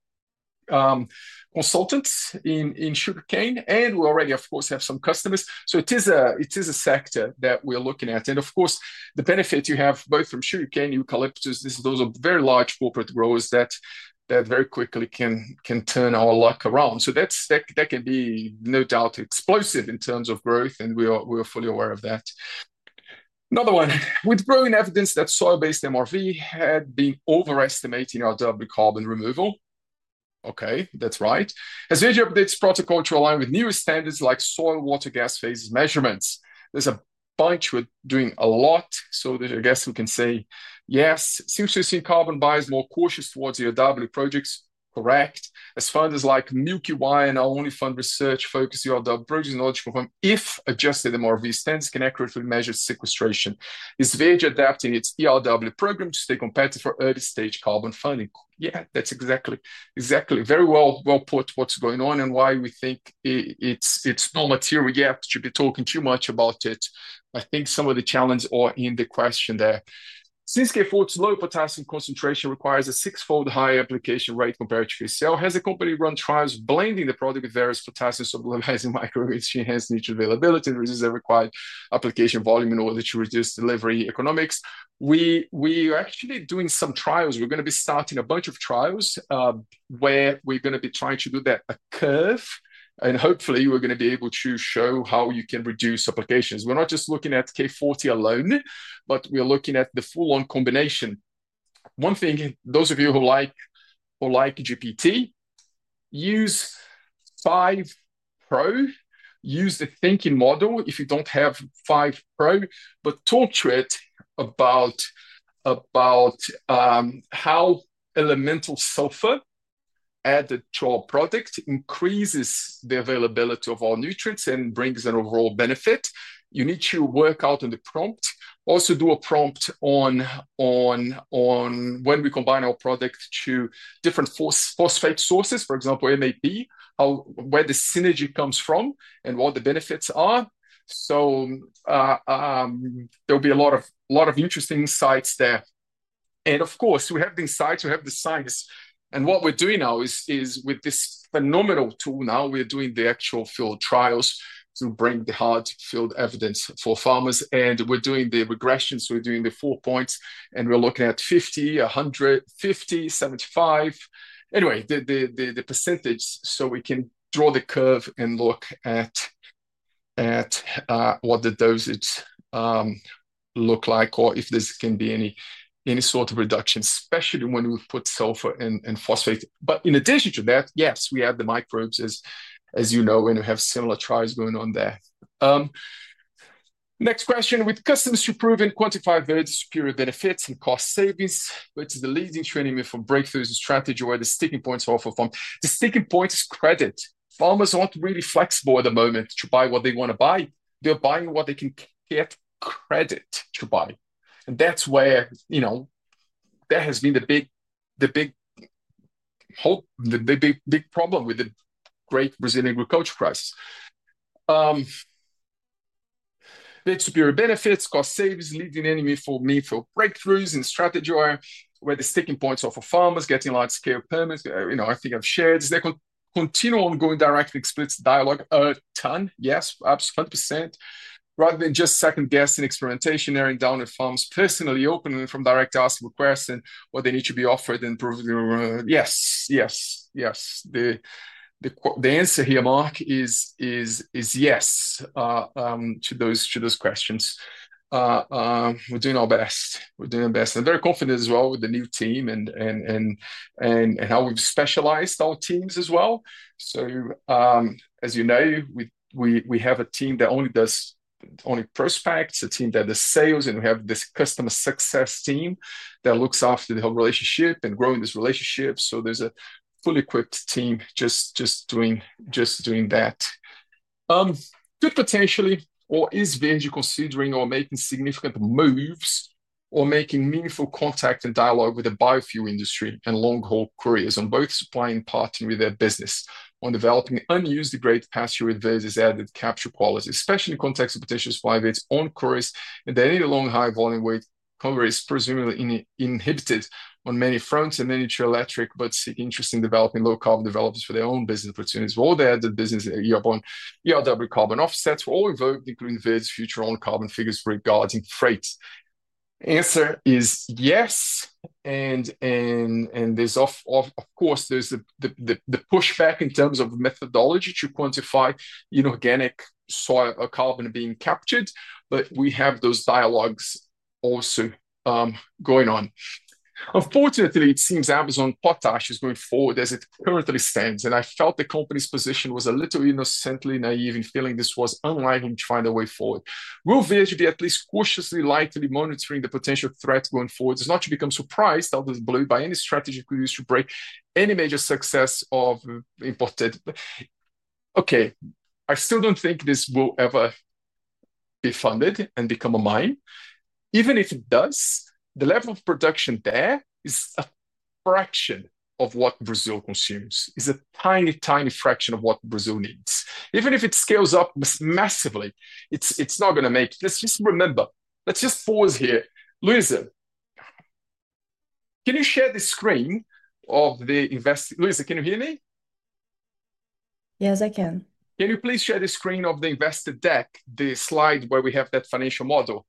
consultants in sugarcane. We already, of course, have some customers. It is a sector that we're looking at. The benefit you have both from sugarcane and eucalyptus, those are very large corporate growers that very quickly can turn our luck around. That can be no doubt explosive in terms of growth, and we are fully aware of that. Another one. With growing evidence that soil-based MRV had been overestimating ERW carbon removal. That's right. As Verde AgriTech updates protocol to align with newer standards like soil water gas phase measurements, there's a bunch we're doing a lot. I guess we can say yes. Since we've seen carbon bias more cautious towards ERW projects, correct. As founders like Milky Wine and our only fund research focus ERW project knowledge program, if adjusted MRV sense can accurately measure sequestration, is Verde adapting its ERW program to stay competitive for early stage carbon funding. Yeah, that's exactly, exactly very well put what's going on and why we think it's not material yet to be talking too much about it. I think some of the challenges are in the question there. Since K-Forte's low potassium concentration requires a six-fold higher application rate compared to KCL, has a company run trials blending the product with various potassium solubilizing microbeads to enhance nutrient availability and reduce the required application volume in order to reduce delivery economics. We are actually doing some trials. We're going to be starting a bunch of trials where we're going to be trying to do that a curve, and hopefully we're going to be able to show how you can reduce applications. We're not just looking at K-Forte alone, but we're looking at the full-on combination. One thing, those of you who like GPT, use PI Pro, use the thinking model if you don't have PI Pro, but talk to it about how elemental sulfur added to our product increases the availability of all nutrients and brings an overall benefit. You need to work out on the prompt. Also do a prompt on when we combine our product to different phosphate sources, for example, MAP, where the synergy comes from and what the benefits are. There'll be a lot of interesting insights there. Of course, we have the insights, we have the science. What we're doing now is with this phenomenal tool, we're doing the actual field trials to bring the hard field evidence for farmers. We're doing the regressions, we're doing the four points, and we're looking at 50, 100, 50, 75. Anyway, the percentage, so we can draw the curve and look at what the dosage looks like or if there's going to be any sort of reduction, especially when we put sulfur and phosphate. In addition to that, yes, we add the microbes, as you know, when you have similar trials going on there. Next question, with customers to prove and quantify very superior benefits and cost savings, which is the leading training for breakthroughs in strategy where the sticking points are often found. The sticking point is credit. Farmers aren't really flexible at the moment to buy what they want to buy. They're buying what they can get credit to buy. That's where there has been the big problem with the great Brazilian agriculture crisis. Made superior benefits, cost savings, leading enemy for me for breakthroughs in strategy where the sticking points are for farmers getting large scale permits. I think I've shared this. They continue ongoing direct expense dialogue a ton. Yes, up to 20%. Rather than just second guessing experimentation, narrowing down on farms personally openly from direct asking a question or they need to be offered and proven. Yes, yes, yes. The answer here, Mark, is yes to those questions. We're doing our best. We're doing our best. I'm very confident as well with the new team and how we've specialized our teams as well. As you know, we have a team that only does only prospects, a team that does sales, and we have this customer success team that looks after the whole relationship and growing this relationship. There's a fully equipped team just doing that. Could potentially, or is Verde considering or making significant moves or making meaningful contact and dialogue with the biofuel industry and long-haul couriers on both supplying and partnering with their business on developing unused degraded pasture with various added capture qualities, especially in context of potential spy weights on couriers and they need a long high volume weight conversion presumably inhibited on many fronts and many true electric but seek interest in developing low carbon developments for their own business opportunities. What are the added businesses that enhanced rock weathering carbon offsets for all involved in the green VEGs future on carbon figures regarding freight? The answer is yes, and there's of course the pushback in terms of methodology to quantify inorganic soil or carbon being captured, but we have those dialogues also going on. Unfortunately, it seems Amazon Potash is going forward as it currently stands, and I felt the company's position was a little innocently naive in feeling this was unlikely to find a way forward. Will VHG be at least cautiously lightly monitoring the potential threat going forward? It's not to become surprised, out of the blue, by any strategy we use to break any major success of imported. Okay, I still don't think this will ever be funded and become a mine. Even if it does, the level of production there is a fraction of what Brazil consumes. It's a tiny, tiny fraction of what Brazil needs. Even if it scales up massively, it's not going to make it. Let's just remember, let's just pause here. Luisa, can you share the screen of the investor? Luisa, can you hear me? Yes, I can. Can you please share the screen of the investor deck, the slide where we have that financial model?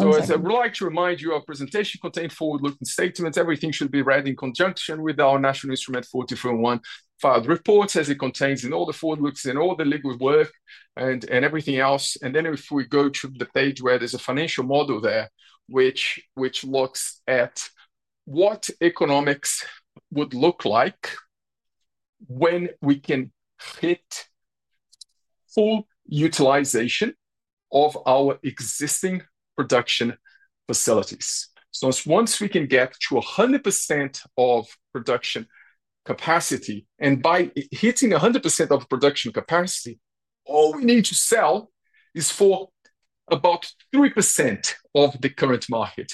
As I would like to remind you, our presentation contains forward-looking statements. Everything should be read in conjunction with our National Instrument 43-101 filed reports, as it contains in all the forward-looking statements, all the legal work, and everything else. If we go to the page where there's a financial model, which looks at what economics would look like when we can hit full utilization of our existing production facilities. Once we can get to 100% of production capacity, and by hitting 100% of production capacity, all we need to sell is for about 3% of the current market.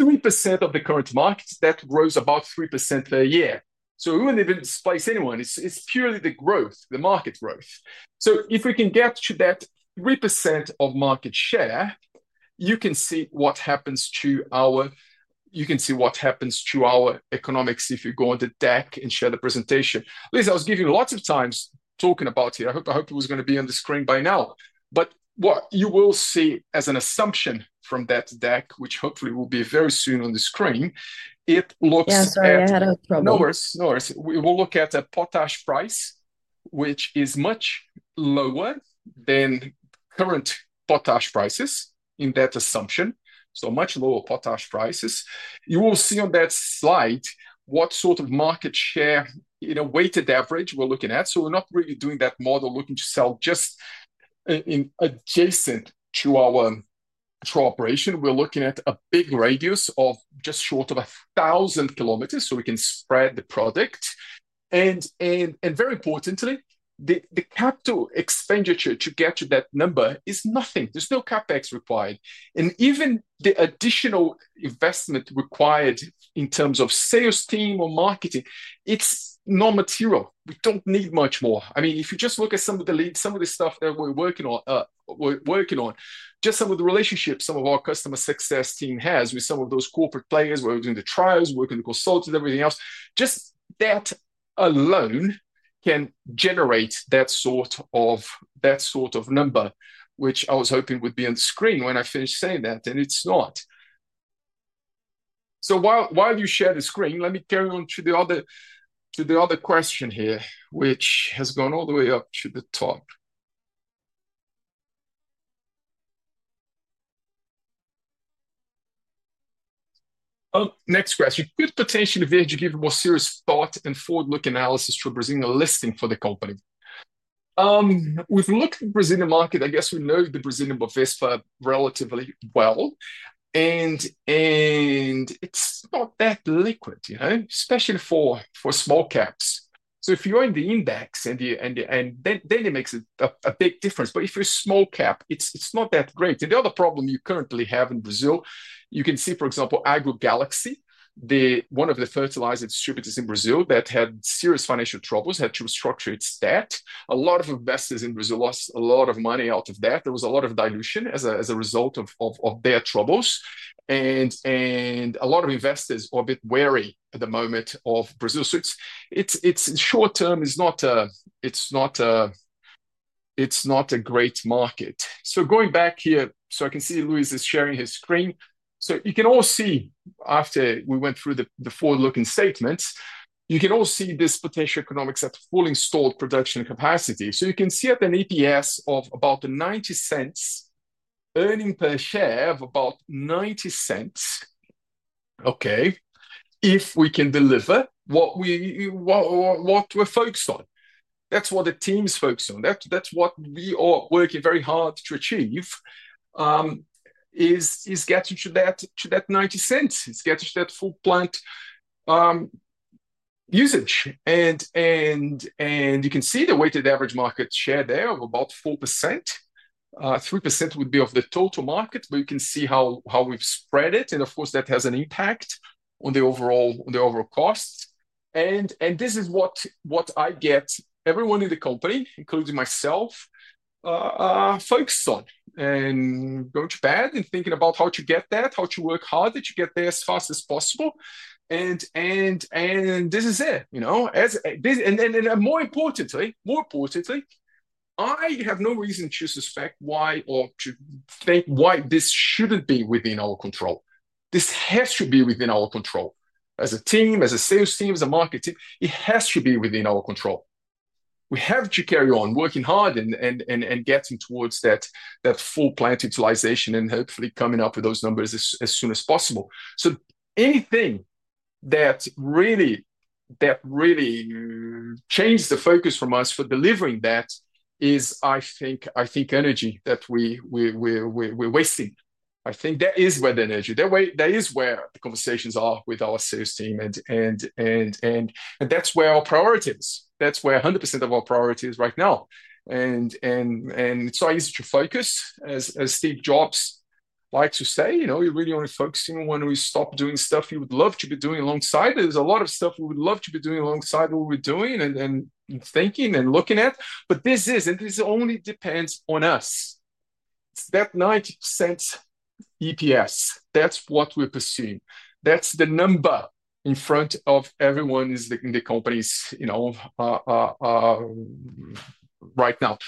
3% of the current market, that grows about 3% per year. We won't even splice anyone. It's purely the market growth. If we can get to that 3% of market share, you can see what happens to our economics if you go on the deck and share the presentation. Luisa, I was giving you lots of time talking about it. I hope it was going to be on the screen by now. What you will see as an assumption from that deck, which hopefully will be very soon on the screen, it looks. Sorry, I had a problem. No worries, no worries. We will look at a potash price, which is much lower than current potash prices in that assumption. Much lower potash prices. You will see on that slide what sort of market share, you know, weighted average we're looking at. We're not really doing that model looking to sell just in adjacent to our operation. We're looking at a big radius of just short of 1,000 km so we can spread the product. Very importantly, the capital expenditure to get to that number is nothing. There's no CapEx required. Even the additional investment required in terms of sales team or marketing, it's non-material. We don't need much more. If you just look at some of the stuff that we're working on, just some of the relationships some of our customer success team has with some of those corporate players where we're doing the trials, working with consultants, everything else, just that alone can generate that sort of number, which I was hoping would be on the screen when I finished saying that, and it's not. While you share the screen, let me carry on to the other question here, which has gone all the way up to the top. Next question, could potentially Verde give a more serious thought and forward-look analysis for Brazilian listing for the company? We've looked at the Brazilian market. I guess we know the Brazilian Bovespa relatively well. It's not that liquid, you know, especially for small caps. If you're in the index, then it makes a big difference. If you're a small cap, it's not that great. The other problem you currently have in Brazil, you can see, for example, AgroGalaxy, one of the fertilizer distributors in Brazil that had serious financial troubles, had to restructure its debt. A lot of investors in Brazil lost a lot of money out of debt. There was a lot of dilution as a result of their troubles. A lot of investors are a bit wary at the moment of Brazil. It's short term. It's not a great market. Going back here, I can see Luis is sharing his screen. You can all see after we went through the forward-looking statements, you can all see this potential economics at fully installed production capacity. You can see up an EPS of about $0.90, earnings per share of about $0.90. If we can deliver what we're focused on, that's what the team's focused on. That's what we are working very hard to achieve, is getting to that $0.90. It's getting to that full plant usage. You can see the weighted average market share there of about 4%. 3% would be of the total market, but you can see how we've spread it. Of course, that has an impact on the overall costs. This is what I get everyone in the company, including myself, focused on and going to bed and thinking about how to get that, how to work harder to get there as fast as possible. This is it, you know. More importantly, I have no reason to suspect why or to think why this shouldn't be within our control. This has to be within our control. As a team, as a sales team, as a market team, it has to be within our control. We have to carry on working hard and getting towards that full plant utilization and hopefully coming up with those numbers as soon as possible. Anything that really changes the focus from us for delivering that is, I think, energy that we're wasting. I think that is where the energy is, that is where the conversations are with our sales team. That's where our priority is. That's where 100% of our priority is right now. It's so easy to focus, as Steve Jobs likes to say, you know, you're really only focusing on when we stop doing stuff you would love to be doing alongside. There's a lot of stuff we would love to be doing alongside what we're doing and thinking and looking at. This is, and this only depends on us. That 90% EPS, that's what we're pursuing. That's the number in front of everyone in the company, you know, right now.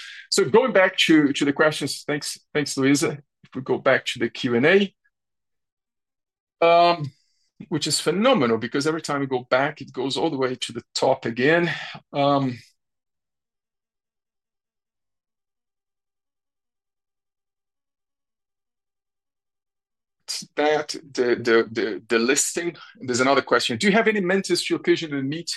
Going back to the questions, thanks, thanks, Luisa. We go back to the Q&A, which is phenomenal because every time we go back, it goes all the way to the top again. The listing, there's another question. Do you have any mentors to your occasion to meet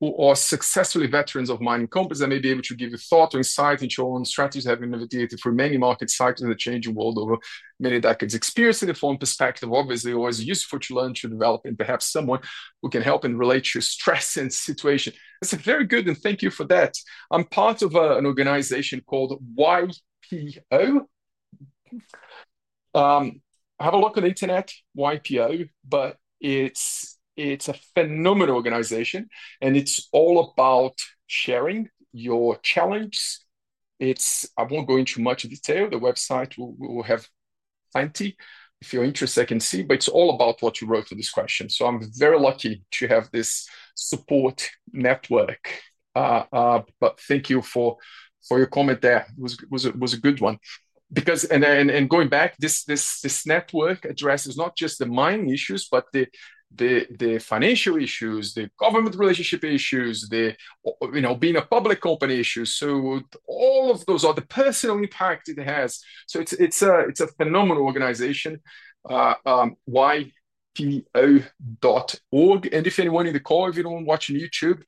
who are successfully veterans of mining companies that may be able to give you thought or insight into your own strategies having navigated through many market cycles and changing world over many decades? Experience in the form perspective, obviously, always useful to learn to develop and perhaps someone who can help and relate to your stress and situation. That's a very good one. Thank you for that. I'm part of an organization called YPO. Have a look on the Internet, YPO, but it's a phenomenal organization and it's all about sharing your challenges. I won't go into much detail. The website will have plenty. If you're interested, I can see, but it's all about what you wrote in this question. I'm very lucky to have this support network. Thank you for your comment there. It was a good one. Going back, this network addresses not just the mine issues, but the financial issues, the government relationship issues, the being a public company issue. All of those are the personal impact it has. It's a phenomenal organization, ypo.org. If anyone in the call, if you don't watch on YouTube,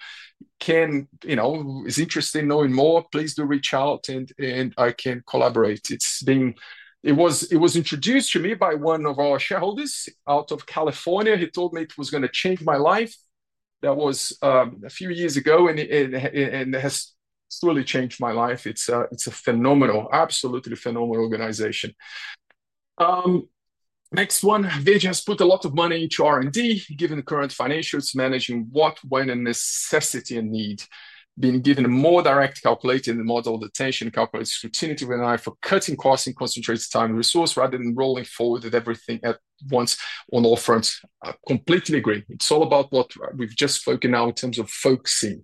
is interested in knowing more, please do reach out and I can collaborate. It was introduced to me by one of our shareholders out of California. He told me it was going to change my life. That was a few years ago and it has truly changed my life. It's a phenomenal, absolutely phenomenal organization. Next one, Verde has put a lot of money into R&D. Given the current financials, managing what, when, and necessity and need, being given a more direct calculated model, the tension calculated opportunity with an eye for cutting costs and concentrating time and resource, rather than rolling forward with everything at once on all fronts. Completely agree. It's all about what we've just spoken now in terms of focusing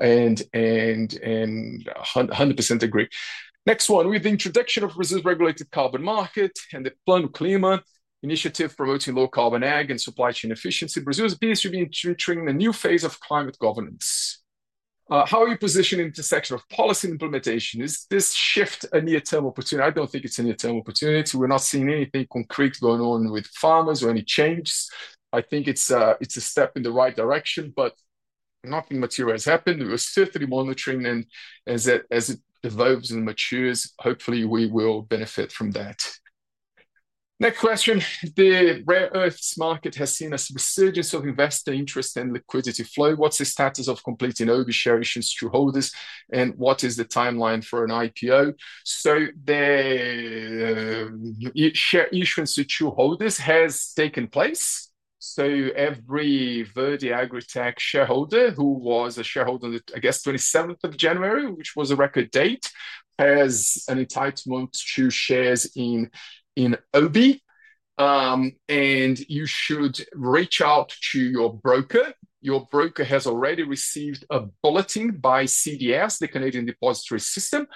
and 100% agree. Next one, with the introduction of Brazil's regulated carbon market and the Plano Clima initiative promoting low carbon ag and supply chain efficiency, Brazil appears to be entering a new phase of climate governance. How are you positioned in the section of policy and implementation? Is this shift a near-term opportunity? I don't think it's a near-term opportunity. We're not seeing anything concrete going on with farmers or any change. I think it's a step in the right direction, but nothing material has happened. We're certainly monitoring and as it evolves and matures, hopefully, we will benefit from that. Next question. The rare earths market has seen a resurgence of investor interest and liquidity flow. What's the status of completing oversharing issues to holders and what is the timeline for an IPO? The share issuance to holders has taken place. Every Verde AgriTech shareholder who was a shareholder on, I guess, Januar, which was a record date, has an entitlement to shares in OBI. You should reach out to your broker. Your broker has already received a bulletin by CDS, the Canadian Depository System,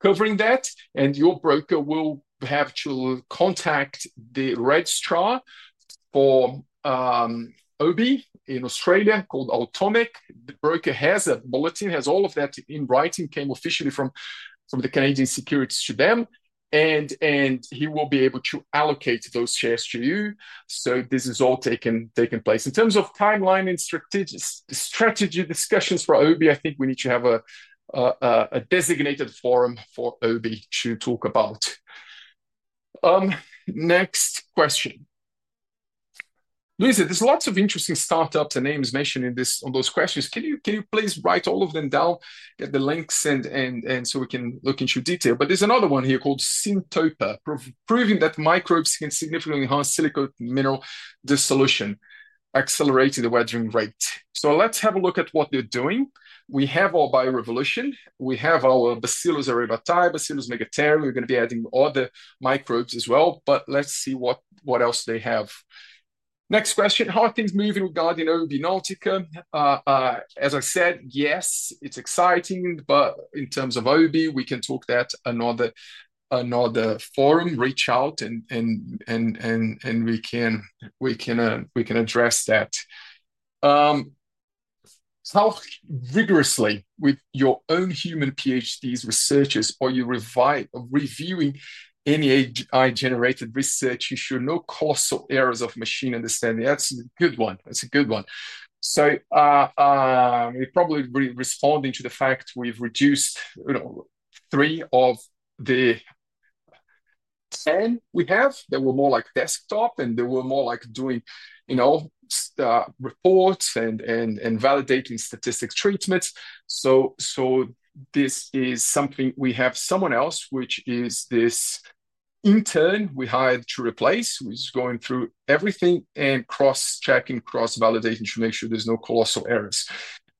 covering that. Your broker will have to contact the registrar for OBI in Australia called Automic. The broker has a bulletin, has all of that in writing, came officially from the Canadian Securities to them. He will be able to allocate those shares to you. This is all taking place. In terms of timeline and strategy discussions for OBI, I think we need to have a designated forum for OBI to talk about. Next question. Luisa, there's lots of interesting startups and names mentioned in those questions. Can you please write all of them down at the links so we can look into detail? There's another one here called Syntopa, proving that microbes can significantly enhance silicon mineral dissolution, accelerating the weathering rate. Let's have a look at what they're doing with. We have our Bio Revolution. We have our Bacillus aryabhattai, Bacillus megaterium. We're going to be adding other microbes as well. Let's see what else they have. Next question, how are things moving regarding OBI Nautica? As I said, yes, it's exciting. In terms of OBI, we can talk that in another forum, reach out and we can address that. How rigorously with your own human PhD scientists are you reviewing AI-generated research? You show no causal errors of machine understanding. That's a good one. We're probably responding to the fact we've reduced three of the 10 we have that were more like desktop, and they were more like doing reports and validating statistics treatments. This is something we have someone else, which is this intern we hired to replace, who is going through everything and cross-checking, cross-validating to make sure there's no colossal errors.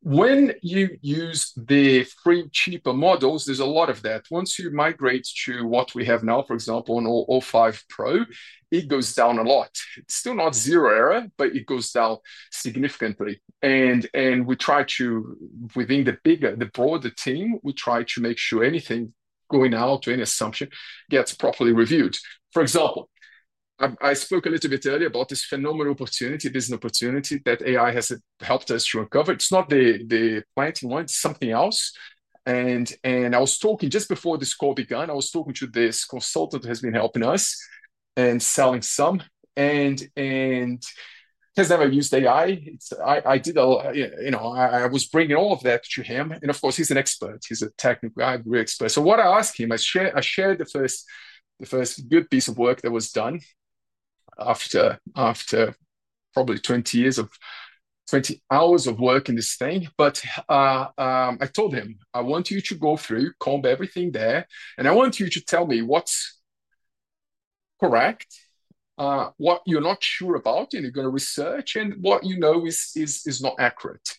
When you use the free, cheaper models, there's a lot of that. Once you migrate to what we have now, for example, an old O5 Pro, it goes down a lot. It's still not zero error, but it goes down significantly. We try to, within the broader team, make sure anything going out to any assumption gets properly reviewed. For example, I spoke a little bit earlier about this phenomenal opportunity. There's an opportunity that AI has helped us to uncover. It's not the planting one, it's something else. I was talking just before this call began, I was talking to this consultant who has been helping us and selling some, and he has never used AI. I did a lot, you know, I was bringing all of that to him. Of course, he's an expert. He's a technical guy, a great expert. I asked him, I shared the first, the first good piece of work that was done after probably 20 hours of work in this thing. I told him, I want you to go through, comb everything there. I want you to tell me what's correct, what you're not sure about and you're going to research, and what you know is not accurate.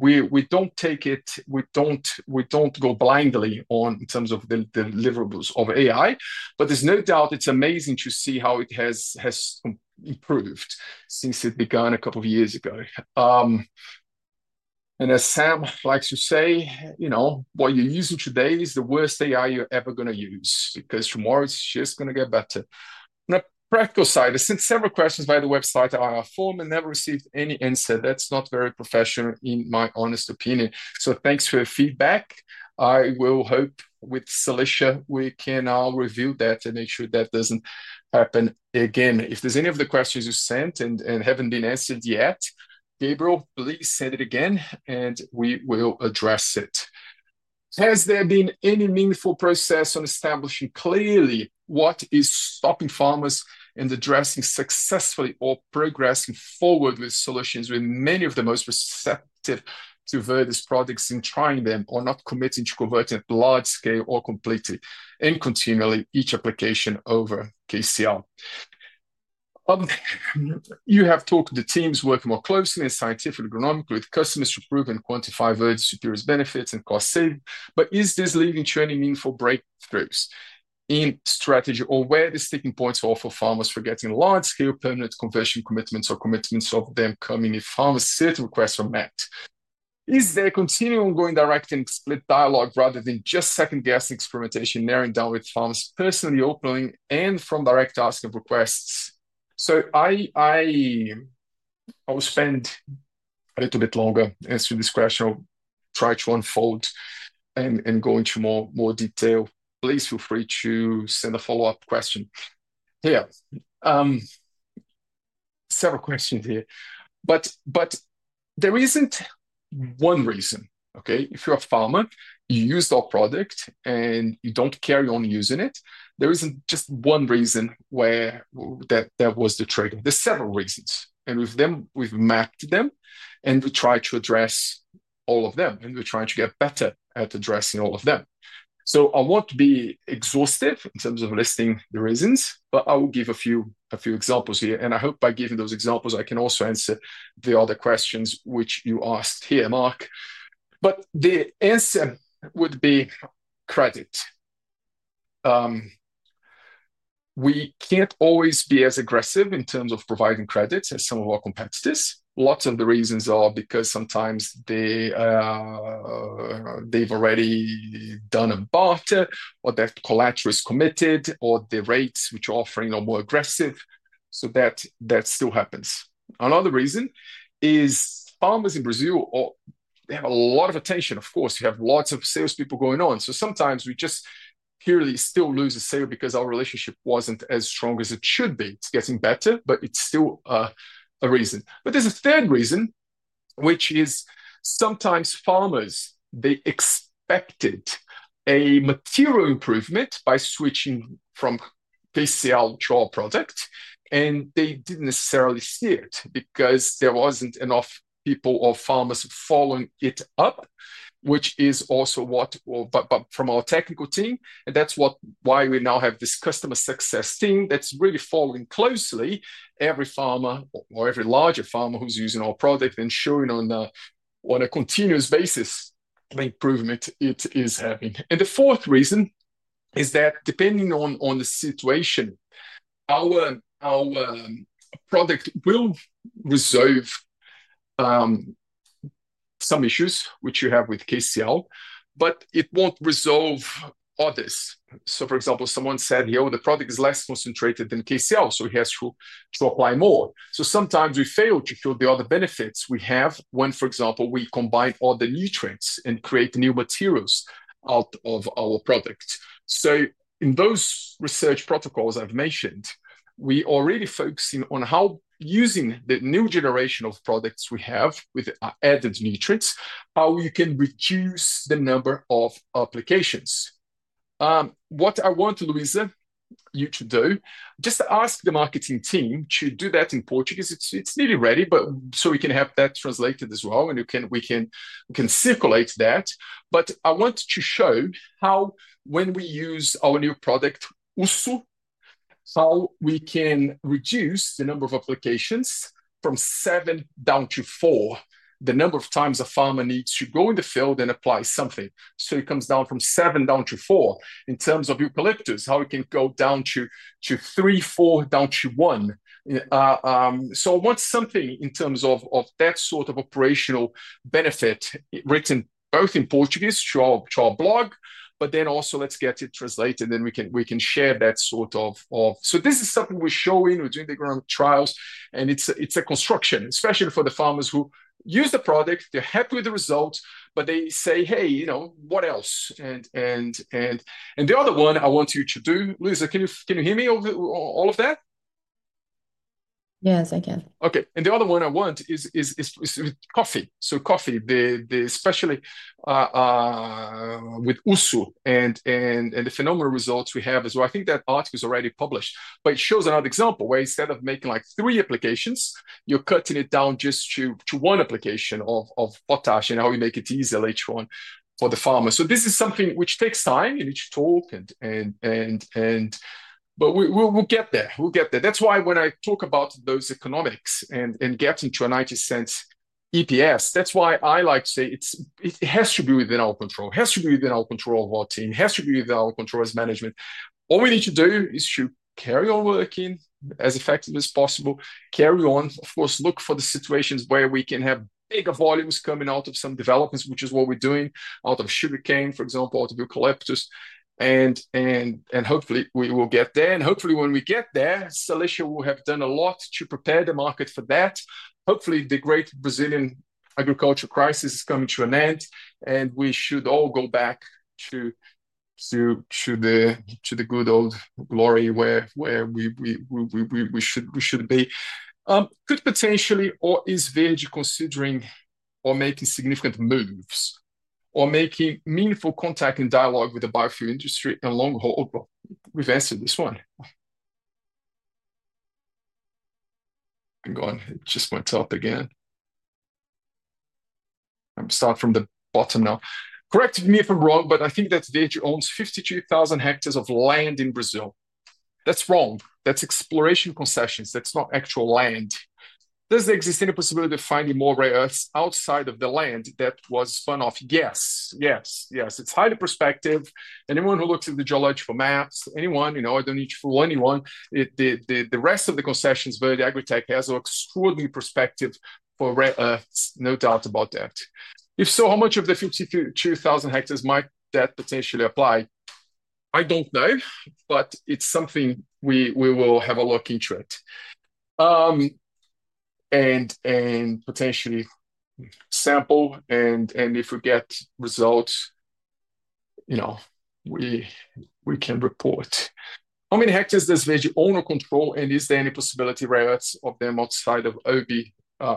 We don't take it, we don't go blindly on in terms of the deliverables of AI. There's no doubt it's amazing to see how it has improved since it began a couple of years ago. As Sam likes to say, you know, what you're using today is the worst AI you're ever going to use, because tomorrow it's just going to get better. On a practical side, I sent several questions by the website to our form and never received any answer. That's not very professional in my honest opinion. Thanks for your feedback. I will hope with Salisha, we can now review that and make sure that doesn't happen again. If there's any of the questions you sent and haven't been answered yet, Gabriel, please send it again, and we will address it. Has there been any meaningful process on establishing clearly what is stopping farmers and addressing successfully or progressing forward with solutions with many of the most receptive to Verd's products in trying them or not committing to converting at large scale or completely and continually each application over KCR? You have talked to the teams working more closely and scientifically with customers to prove and quantify Verde's security benefits and cost savings. Is this leading to any meaningful breakthroughs in strategy or where the sticking points are for farmers forgetting large-scale permanent conversion commitments or committing some of them coming if farmers' certain requests are met? Is there continuing ongoing direct and explicit dialogue rather than just second-guessing experimentation, narrowing down with farmers personally openly and from direct asking of requests? I will spend a little bit longer answering this question. I'll try to unfold and go into more detail. Please feel free to send a follow-up question. There are several questions here. There isn't one reason, okay? If you're a farmer, you use our product and you don't carry on using it, there isn't just one reason where that was the trigger. There are several reasons. We have mapped them, and we try to address all of them, and we're trying to get better at addressing all of them. I won't be exhaustive in terms of listing the reasons, but I will give a few examples here. I hope by giving those examples, I can also answer the other questions which you asked here, Mark. The answer would be credit. We can't always be as aggressive in terms of providing credit as some of our competitors. Lots of the reasons are because sometimes they've already done a barter, or that collateral is committed, or the rates which are offering are more aggressive. That still happens. Another reason is farmers in Brazil, or they have a lot of attention, of course, you have lots of salespeople going on. Sometimes we just clearly still lose a sale because our relationship wasn't as strong as it should be. It's getting better, but it's still a reason. There's a third reason, which is sometimes farmers, they expected a material improvement by switching from KCL to our product, and they didn't necessarily see it because there weren't enough people or farmers following it up, which is also what, but from our technical team. That's why we now have this customer success team that's really following closely every farmer or every larger farmer who's using our product and ensuring on a continuous basis the improvement it is having. The fourth reason is that depending on the situation, our product will resolve some issues which you have with KCL, but it won't resolve others. For example, someone said the product is less concentrated than KCL, so he has to apply more. Sometimes we fail to fill the other benefits we have when, for example, we combine other nutrients and create new materials out of our product. In those research protocols I've mentioned, we are really focusing on how using the new generation of products we have with added nutrients, how you can reduce the number of applications. What I want to do is just ask the marketing team to do that in Portuguese. It's nearly ready, so we can have that translated as well, and we can circulate that. I want to show how when we use our new product, Ussu, how we can reduce the number of applications from seven down to four, the number of times a farmer needs to go in the field and apply something. It comes down from seven down to four. In terms of eucalyptus, how it can go down to three, four, down to one. I want something in terms of that sort of operational benefit written both in Portuguese to our blog, then also let's get it translated, and then we can share that sort of... This is something we're showing, we're doing the ground trials, and it's a construction, especially for the farmers who use the product, they're happy with the result, but they say, hey, you know, what else? The other one I want you to do, Lisa, can you hear me over all of that? Yes, I can. Okay. The other one I want is with coffee. Coffee, especially with Ussu and the phenomenal results we have as well. I think that article is already published, but it shows another example where instead of making like three applications, you're cutting it down just to one application of potash and how we make it easy for the farmer. This is something which takes time, you need to talk, but we'll get there, we'll get there. That's why when I talk about those economics and getting to a $0.90 EPS, that's why I like to say it has to be within our control, has to be within our control of our team, has to be within our control as management. All we need to do is to carry on working as effectively as possible, carry on, of course, look for the situations where we can have bigger volumes coming out of some developments, which is what we're doing out of sugarcane, for example, out of eucalyptus. Hopefully we will get there. Hopefully when we get there, Salisha will have done a lot to prepare the market for that. Hopefully the great Brazilian agricultural crisis is coming to an end, and we should all go back to the good old glory where we should be. Could potentially or is Verde considering or making significant moves or making meaningful contact and dialogue with the biofuel industry and long haul. We've answered this one. I just want to talk again. I'm starting from the bottom now. Correct me if I'm wrong, but I think that Verde owns 53,000 hectares of land in Brazil. That's wrong. That's exploration concessions. That's not actual land. Does it exist in a possibility of finding more rare earths outside of the land that was spun off? Yes, yes, yes. It's highly prospective. Anyone who looks at the geological maps, anyone, you know, I don't need to fool anyone. The rest of the concessions Verde AgriTech has are extremely prospective for rare earths, no doubt about that. If so, how much of the 52,000 hectares might that potentially apply? I don't know, but it's something we will have a look into. Potentially sample, and if we get results, we can report. How many hectares does Verde own or control, and is there any possibility of rare earths of them outside of OBI?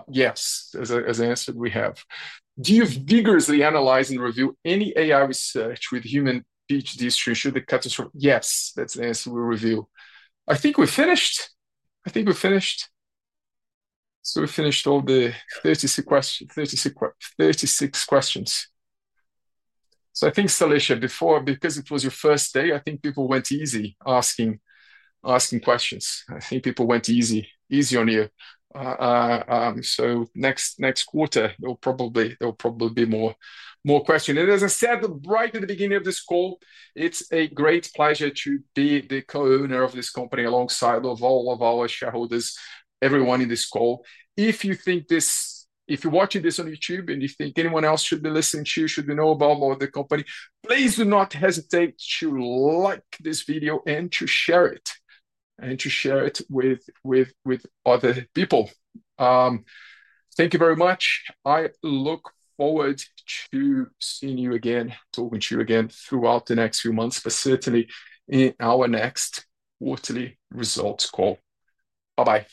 Yes, as an answer we have. Do you vigorously analyze and review any AI research with human PhDs to ensure the catastrophe? Yes, that's the answer we review. I think we finished. We finished all the 36 questions. I think Salisha, because it was your first day, people went easy on you. Next quarter, there'll probably be more questions. As I said right at the beginning of this call, it's a great pleasure to be the co-owner of this company alongside all of our shareholders, everyone in this call. If you're watching this on YouTube and you think anyone else should be listening to this, should know more about the company, please do not hesitate to like this video and to share it with other people. Thank you very much. I look forward to seeing you again, talking to you again throughout the next few months, but certainly in our next quarterly results call. Bye-bye.